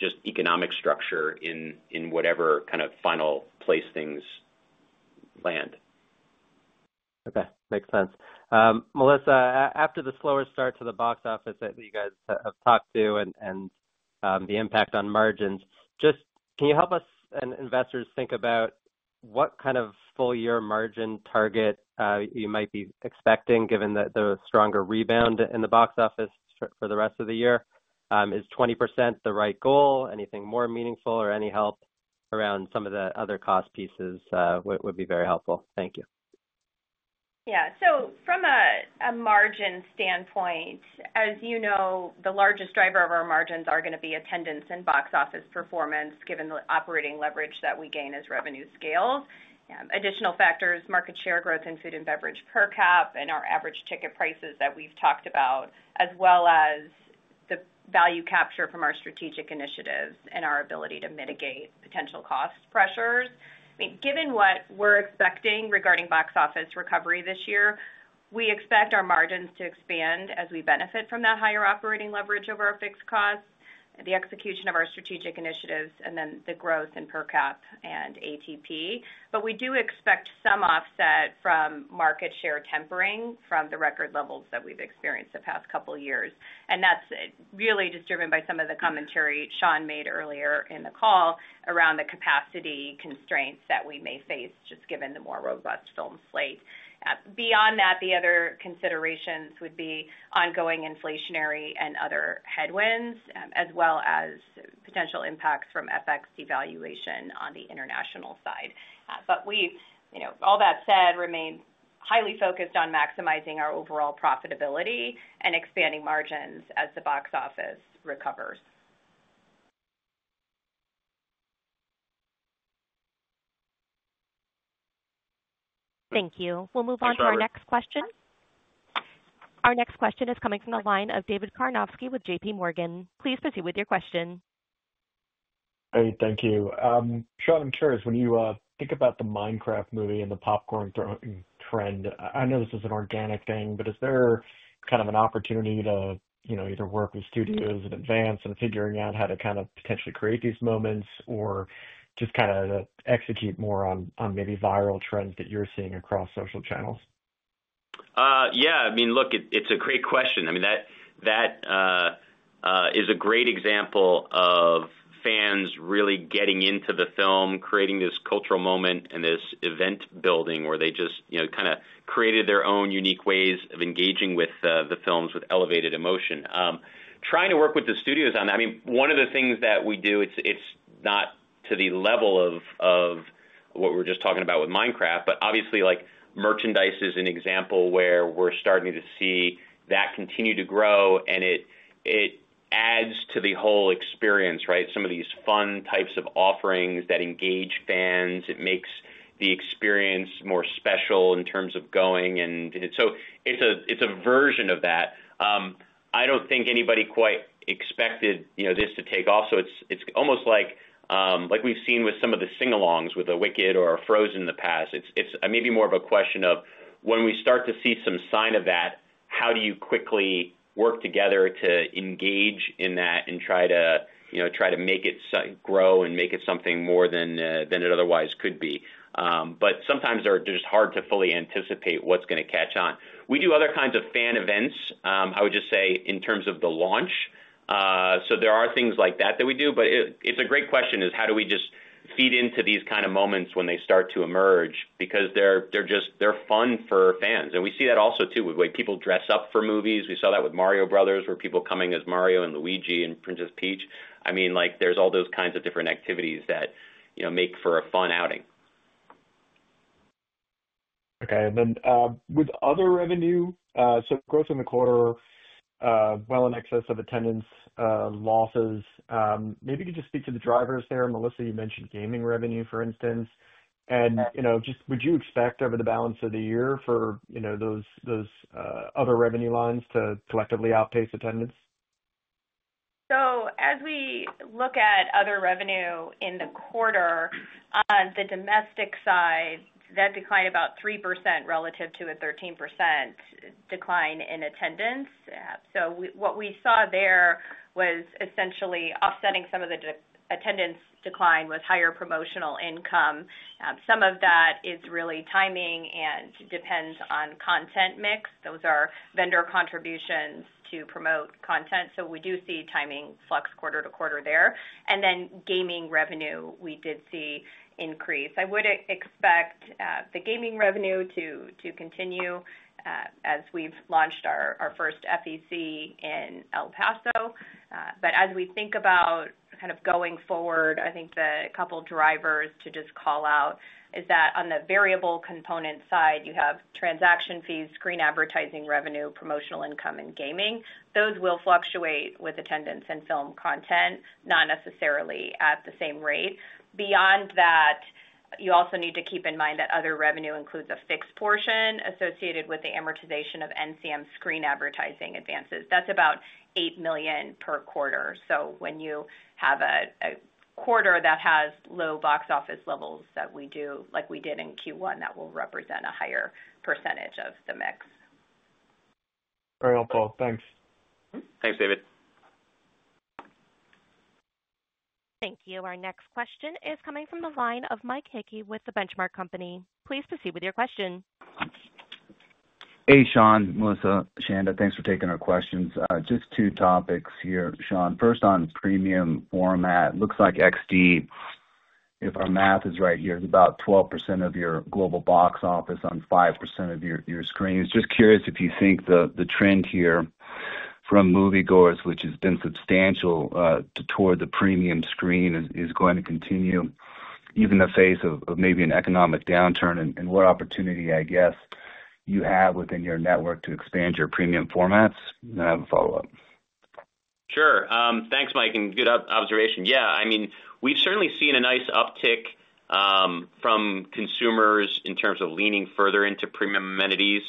C: just economic structure in whatever kind of final place things land.
J: Okay. Makes sense. Melissa, after the slower start to the box office that you guys have talked to and the impact on margins, just can you help us and investors think about what kind of full-year margin target you might be expecting, given the stronger rebound in the box office for the rest of the year? Is 20% the right goal? Anything more meaningful or any help around some of the other cost pieces would be very helpful. Thank you.
D: Yeah. From a margin standpoint, as you know, the largest driver of our margins are going to be attendance and box office performance, given the operating leverage that we gain as revenue scales. Additional factors: market share growth in food and beverage per cap and our average ticket prices that we've talked about, as well as the value capture from our strategic initiatives and our ability to mitigate potential cost pressures. I mean, given what we're expecting regarding box office recovery this year, we expect our margins to expand as we benefit from that higher operating leverage over our fixed costs, the execution of our strategic initiatives, and then the growth in per cap and ATP. We do expect some offset from market share tempering from the record levels that we've experienced the past couple of years. That is really just driven by some of the commentary Sean made earlier in the call around the capacity constraints that we may face just given the more robust film slate. Beyond that, the other considerations would be ongoing inflationary and other headwinds, as well as potential impacts from FX devaluation on the international side. All that said, remain highly focused on maximizing our overall profitability and expanding margins as the box office recovers.
A: Thank you. We'll move on to our next question. Our next question is coming from the line of David Karnovsky with JP Morgan. Please proceed with your question.
K: Hey, thank you. Sean, I'm curious, when you think about the Minecraft Movie and the popcorn thread, I know this is an organic thing, but is there kind of an opportunity to either work with studios in advance and figuring out how to kind of potentially create these moments or just kind of execute more on maybe viral trends that you're seeing across social channels?
C: Yeah. I mean, look, it's a great question. I mean, that is a great example of fans really getting into the film, creating this cultural moment and this event building where they just kind of created their own unique ways of engaging with the films with elevated emotion. Trying to work with the studios on that, I mean, one of the things that we do, it's not to the level of what we were just talking about with Minecraft, but obviously merchandise is an example where we're starting to see that continue to grow, and it adds to the whole experience, right? Some of these fun types of offerings that engage fans. It makes the experience more special in terms of going. It is a version of that. I do not think anybody quite expected this to take off. It is almost like we have seen with some of the sing-alongs with a Wicked or a Frozen in the past. It's maybe more of a question of when we start to see some sign of that, how do you quickly work together to engage in that and try to make it grow and make it something more than it otherwise could be? Sometimes they're just hard to fully anticipate what's going to catch on. We do other kinds of fan events, I would just say, in terms of the launch. There are things like that that we do. It's a great question, how do we just feed into these kind of moments when they start to emerge because they're fun for fans. We see that also too. The way people dress up for movies. We saw that with Mario Brothers where people coming as Mario and Luigi and Princess Peach. I mean, there's all those kinds of different activities that make for a fun outing.
K: Okay. With other revenue, growth in the quarter was well in excess of attendance losses, maybe you could just speak to the drivers there. Melissa, you mentioned gaming revenue, for instance. Would you expect over the balance of the year for those other revenue lines to collectively outpace attendance?
D: As we look at other revenue in the quarter, on the domestic side, that declined about 3% relative to a 13% decline in attendance. What we saw there was essentially offsetting some of the attendance decline with higher promotional income. Some of that is really timing and depends on content mix. Those are vendor contributions to promote content. We do see timing flux quarter to quarter there. Gaming revenue, we did see increase. I would expect the gaming revenue to continue as we've launched our first FEC in El Paso. As we think about kind of going forward, I think the couple of drivers to just call out is that on the variable component side, you have transaction fees, screen advertising revenue, promotional income, and gaming. Those will fluctuate with attendance and film content, not necessarily at the same rate. Beyond that, you also need to keep in mind that other revenue includes a fixed portion associated with the amortization of NCM screen advertising advances. That's about $8 million per quarter. When you have a quarter that has low box office levels that we do, like we did in Q1, that will represent a higher percentage of the mix.
K: Very helpful. Thanks.
C: Thanks, David.
A: Thank you. Our next question is coming from the line of Mike Hickey with The Benchmark Company. Please proceed with your question.
L: Hey, Sean, Melissa, Chanda, thanks for taking our questions. Just two topics here, Sean. First, on premium format, looks like XD, if our math is right here, is about 12% of your global box office on 5% of your screens. Just curious if you think the trend here from moviegoers, which has been substantial toward the premium screen, is going to continue even in the face of maybe an economic downturn and what opportunity, I guess, you have within your network to expand your premium formats. I have a follow-up.
C: Sure. Thanks, Mike. Good observation. Yeah. I mean, we've certainly seen a nice uptick from consumers in terms of leaning further into premium amenities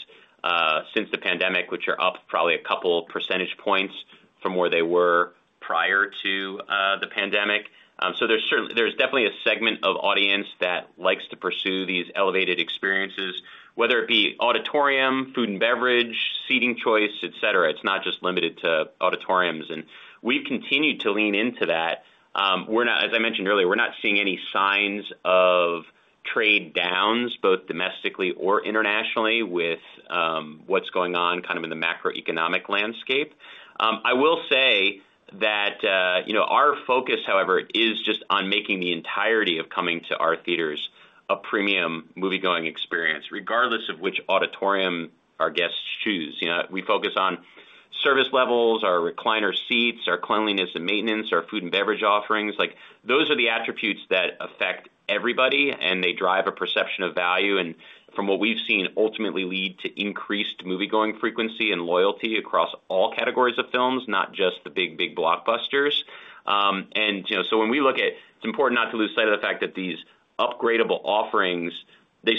C: since the pandemic, which are up probably a couple of percentage points from where they were prior to the pandemic. There is definitely a segment of audience that likes to pursue these elevated experiences, whether it be auditorium, food and beverage, seating choice, etc. It is not just limited to auditoriums. We have continued to lean into that. As I mentioned earlier, we are not seeing any signs of trade downs, both domestically or internationally, with what is going on kind of in the macroeconomic landscape. I will say that our focus, however, is just on making the entirety of coming to our theaters a premium movie-going experience, regardless of which auditorium our guests choose. We focus on service levels, our recliner seats, our cleanliness and maintenance, our food and beverage offerings. Those are the attributes that affect everybody, and they drive a perception of value and, from what we have seen, ultimately lead to increased movie-going frequency and loyalty across all categories of films, not just the big, big blockbusters. It is important not to lose sight of the fact that these upgradable offerings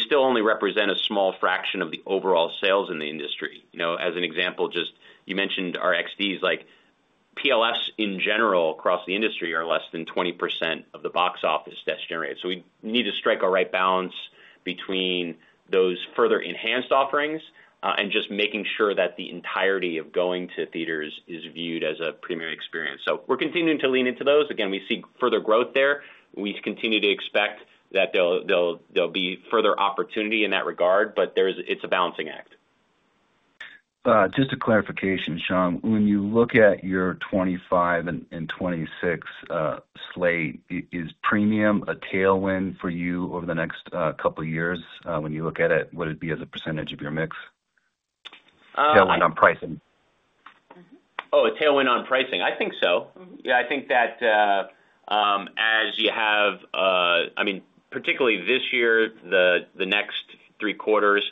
C: still only represent a small fraction of the overall sales in the industry. For example, you mentioned our XDs. Like PLFs in general across the industry, they are less than 20% of the box office that is generated. We need to strike a right balance between those further enhanced offerings and just making sure that the entirety of going to theaters is viewed as a premium experience. We are continuing to lean into those. Again, we see further growth there. We continue to expect that there will be further opportunity in that regard, but it is a balancing act.
L: Just a clarification, Sean. When you look at your 2025 and 2026 slate, is premium a tailwind for you over the next couple of years? When you look at it, what would it be as a percentage of your mix? Tailwind on pricing?
C: Oh, a tailwind on pricing. I think so. Yeah. I think that as you have, I mean, particularly this year, the next three quarters,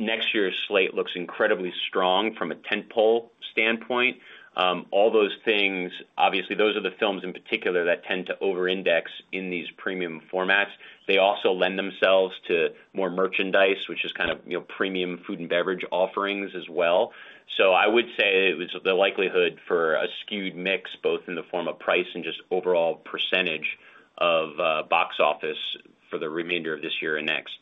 C: next year's slate looks incredibly strong from a tentpole standpoint. All those things, obviously, those are the films in particular that tend to over-index in these premium formats. They also lend themselves to more merchandise, which is kind of premium food and beverage offerings as well. I would say it was the likelihood for a skewed mix, both in the form of price and just overall percentage of box office for the remainder of this year and next.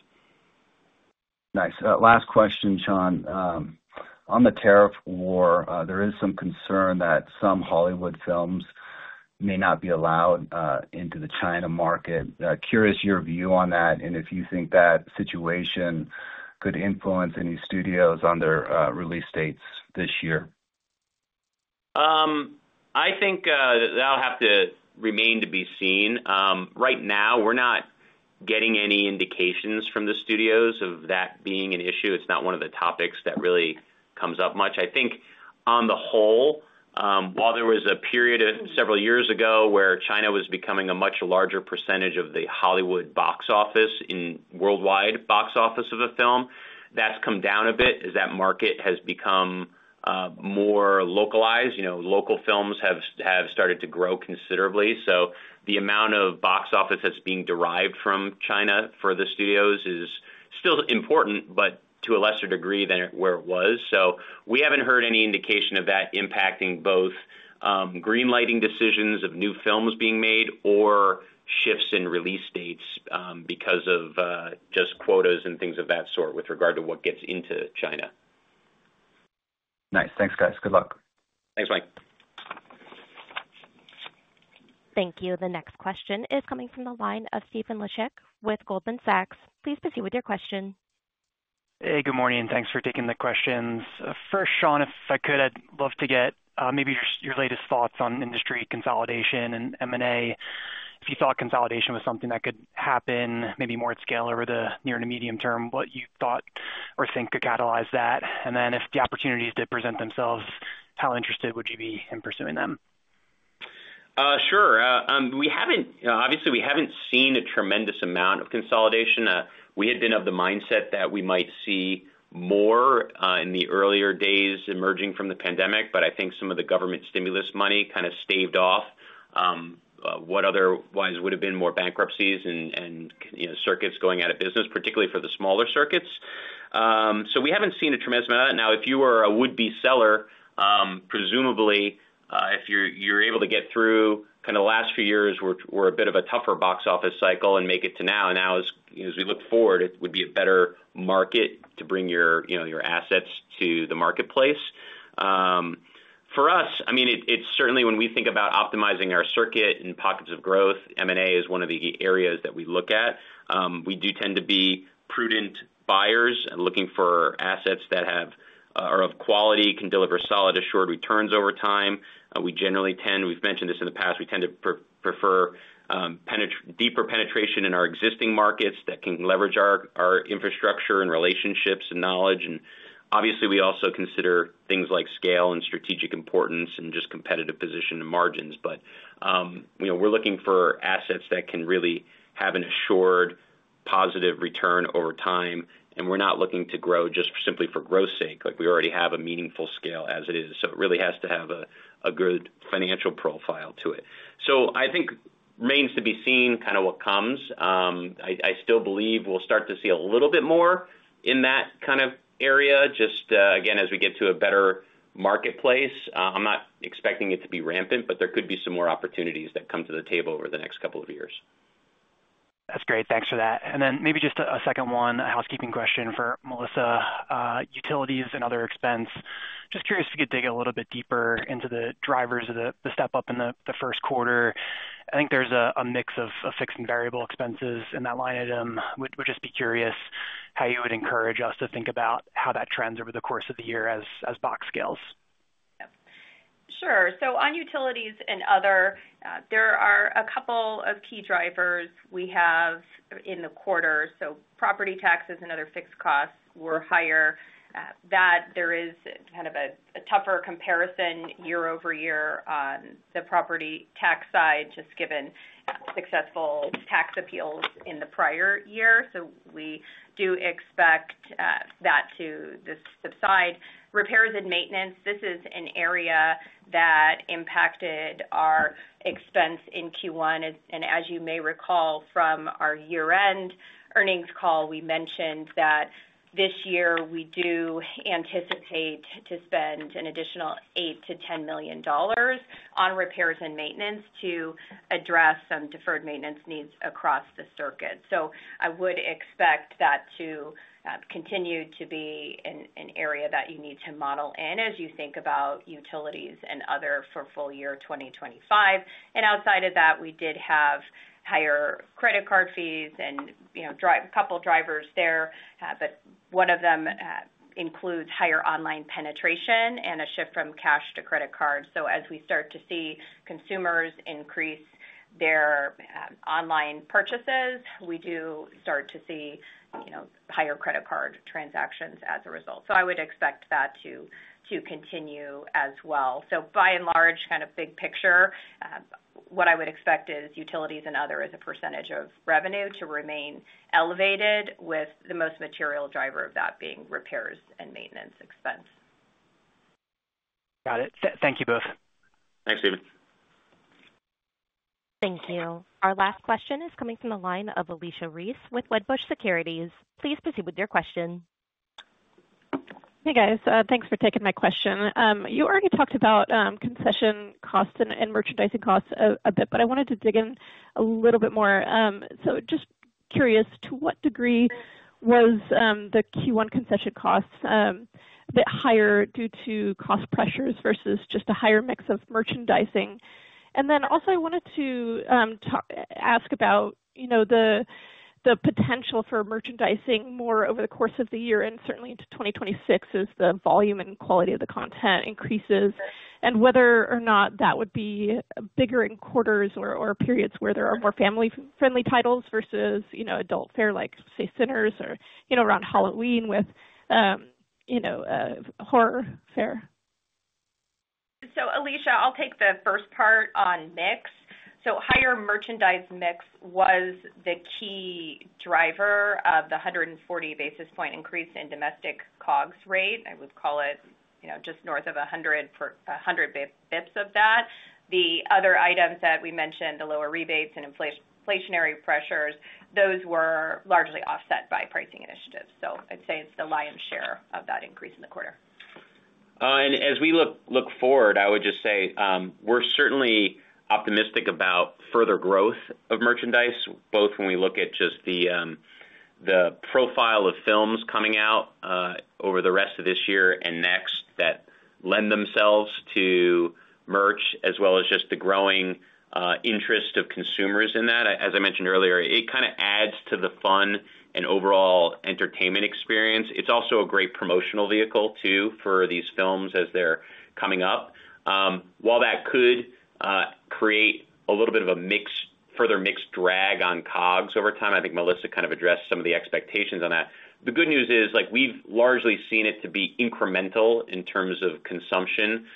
L: Nice. Last question, Sean. On the tariff war, there is some concern that some Hollywood films may not be allowed into the China market. Curious your view on that and if you think that situation could influence any studios on their release dates this year?
C: I think that'll have to remain to be seen. Right now, we're not getting any indications from the studios of that being an issue. It's not one of the topics that really comes up much. I think on the whole, while there was a period several years ago where China was becoming a much larger percentage of the Hollywood box office in worldwide box office of a film, that's come down a bit as that market has become more localized. Local films have started to grow considerably. So the amount of box office that's being derived from China for the studios is still important, but to a lesser degree than where it was. We haven't heard any indication of that impacting both greenlighting decisions of new films being made or shifts in release dates because of just quotas and things of that sort with regard to what gets into China.
L: Nice. Thanks, guys. Good luck.
C: Thanks, Mike.
A: Thank you. The next question is coming from the line of Stephen Laszczyk with Goldman Sachs. Please proceed with your question.
M: Hey, good morning. Thanks for taking the questions. First, Sean, if I could, I'd love to get maybe your latest thoughts on industry consolidation and M&A. If you thought consolidation was something that could happen maybe more at scale over the near to medium term, what you thought or think could catalyze that? And then if the opportunities did present themselves, how interested would you be in pursuing them?
C: Sure. Obviously, we haven't seen a tremendous amount of consolidation. We had been of the mindset that we might see more in the earlier days emerging from the pandemic, but I think some of the government stimulus money kind of staved off what otherwise would have been more bankruptcies and circuits going out of business, particularly for the smaller circuits. We have not seen a tremendous amount of that. Now, if you were a would-be seller, presumably, if you are able to get through kind of the last few years where a bit of a tougher box office cycle and make it to now, now, as we look forward, it would be a better market to bring your assets to the marketplace. For us, I mean, it is certainly when we think about optimizing our circuit and pockets of growth, M&A is one of the areas that we look at. We do tend to be prudent buyers looking for assets that are of quality, can deliver solid to short returns over time. We generally tend, we've mentioned this in the past, we tend to prefer deeper penetration in our existing markets that can leverage our infrastructure and relationships and knowledge. We also consider things like scale and strategic importance and just competitive position and margins. We are looking for assets that can really have an assured positive return over time. We are not looking to grow just simply for growth's sake. We already have a meaningful scale as it is. It really has to have a good financial profile to it. I think it remains to be seen kind of what comes. I still believe we'll start to see a little bit more in that kind of area just, again, as we get to a better marketplace. I'm not expecting it to be rampant, but there could be some more opportunities that come to the table over the next couple of years.
M: That's great. Thanks for that. Maybe just a second one, a housekeeping question for Melissa. Utilities and other expense. Just curious if you could dig a little bit deeper into the drivers of the step-up in the first quarter. I think there's a mix of fixed and variable expenses in that line item. Would just be curious how you would encourage us to think about how that trends over the course of the year as box scales?
D: Sure. On utilities and other, there are a couple of key drivers we have in the quarter. Property taxes and other fixed costs were higher. That there is kind of a tougher comparison year over year on the property tax side just given successful tax appeals in the prior year. We do expect that to subside. Repairs and maintenance, this is an area that impacted our expense in Q1. As you may recall from our year-end earnings call, we mentioned that this year we do anticipate to spend an additional $8 million-$10 million on repairs and maintenance to address some deferred maintenance needs across the circuit. I would expect that to continue to be an area that you need to model in as you think about utilities and other for full year 2025. Outside of that, we did have higher credit card fees and a couple of drivers there, but one of them includes higher online penetration and a shift from cash to credit card. As we start to see consumers increase their online purchases, we do start to see higher credit card transactions as a result. I would expect that to continue as well. By and large, kind of big picture, what I would expect is utilities and other as a percentage of revenue to remain elevated with the most material driver of that being repairs and maintenance expense.
M: Got it. Thank you both.
C: Thanks, Stephen.
A: Thank you. Our last question is coming from the line of Alicia Reese with Wedbush Securities. Please proceed with your question.
N: Hey, guys. Thanks for taking my question. You already talked about concession costs and merchandising costs a bit, but I wanted to dig in a little bit more. Just curious, to what degree was the Q1 concession costs a bit higher due to cost pressures versus just a higher mix of merchandising? I wanted to ask about the potential for merchandising more over the course of the year and certainly into 2026 as the volume and quality of the content increases and whether or not that would be bigger in quarters or periods where there are more family-friendly titles versus adult fare like, say, Sinners or around Halloween with a horror fare?
D: Alicia, I'll take the first part on mix. Higher merchandise mix was the key driver of the 140 basis point increase in domestic COGS rate. I would call it just north of 100 basis points of that. The other items that we mentioned, the lower rebates and inflationary pressures, those were largely offset by pricing initiatives. I'd say it's the lion's share of that increase in the quarter.
C: As we look forward, I would just say we're certainly optimistic about further growth of merchandise, both when we look at just the profile of films coming out over the rest of this year and next that lend themselves to merch as well as just the growing interest of consumers in that. As I mentioned earlier, it kind of adds to the fun and overall entertainment experience. It's also a great promotional vehicle too for these films as they're coming up. While that could create a little bit of a further mixed drag on COGS over time, I think Melissa kind of addressed some of the expectations on that. The good news is we've largely seen it to be incremental in terms of consumption.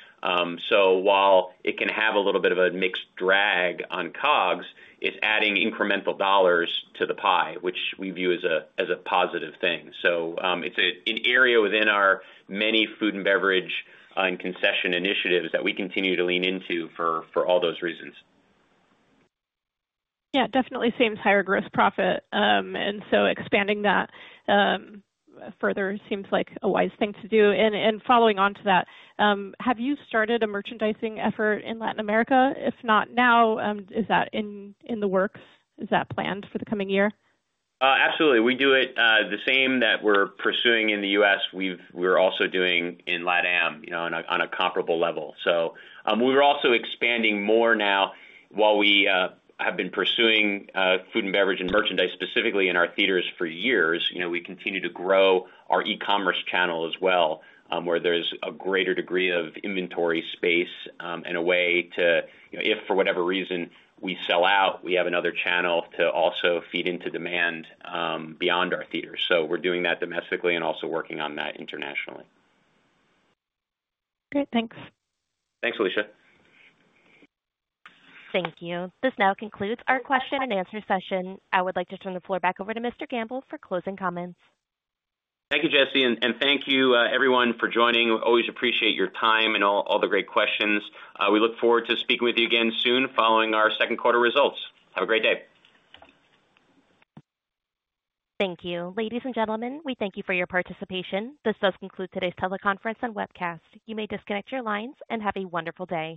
C: While it can have a little bit of a mixed drag on COGS, it's adding incremental dollars to the pie, which we view as a positive thing. It's an area within our many food and beverage and concession initiatives that we continue tolean into for all those reasons.
N: Yeah, definitely seems higher gross profit. Expanding that further seems like a wise thing to do. Following on to that, have you started a merchandising effort in Latin America? If not now, is that in the works? Is that planned for the coming year?
C: Absolutely. We do it the same that we're pursuing in the U.S. We're also doing in Latin America on a comparable level. We're also expanding more now. While we have been pursuing food and beverage and merchandise specifically in our theaters for years, we continue to grow our e-commerce channel as well where there is a greater degree of inventory space and a way to, if for whatever reason we sell out, we have another channel to also feed into demand beyond our theaters. We are doing that domestically and also working on that internationally.
N: Great. Thanks.
C: Thanks, Alicia.
A: Thank you. This now concludes our question and answer session. I would like to turn the floor back over to Mr. Gamble for closing comments.
C: Thank you, Jesse. And thank you, everyone, for joining. Always appreciate your time and all the great questions. We look forward to speaking with you again soon following our second quarter results. Have a great day.
A: Thank you. Ladies and gentlemen, we thank you for your participation. This does conclude today's teleconference and webcast. You may disconnect your lines and have a wonderful day.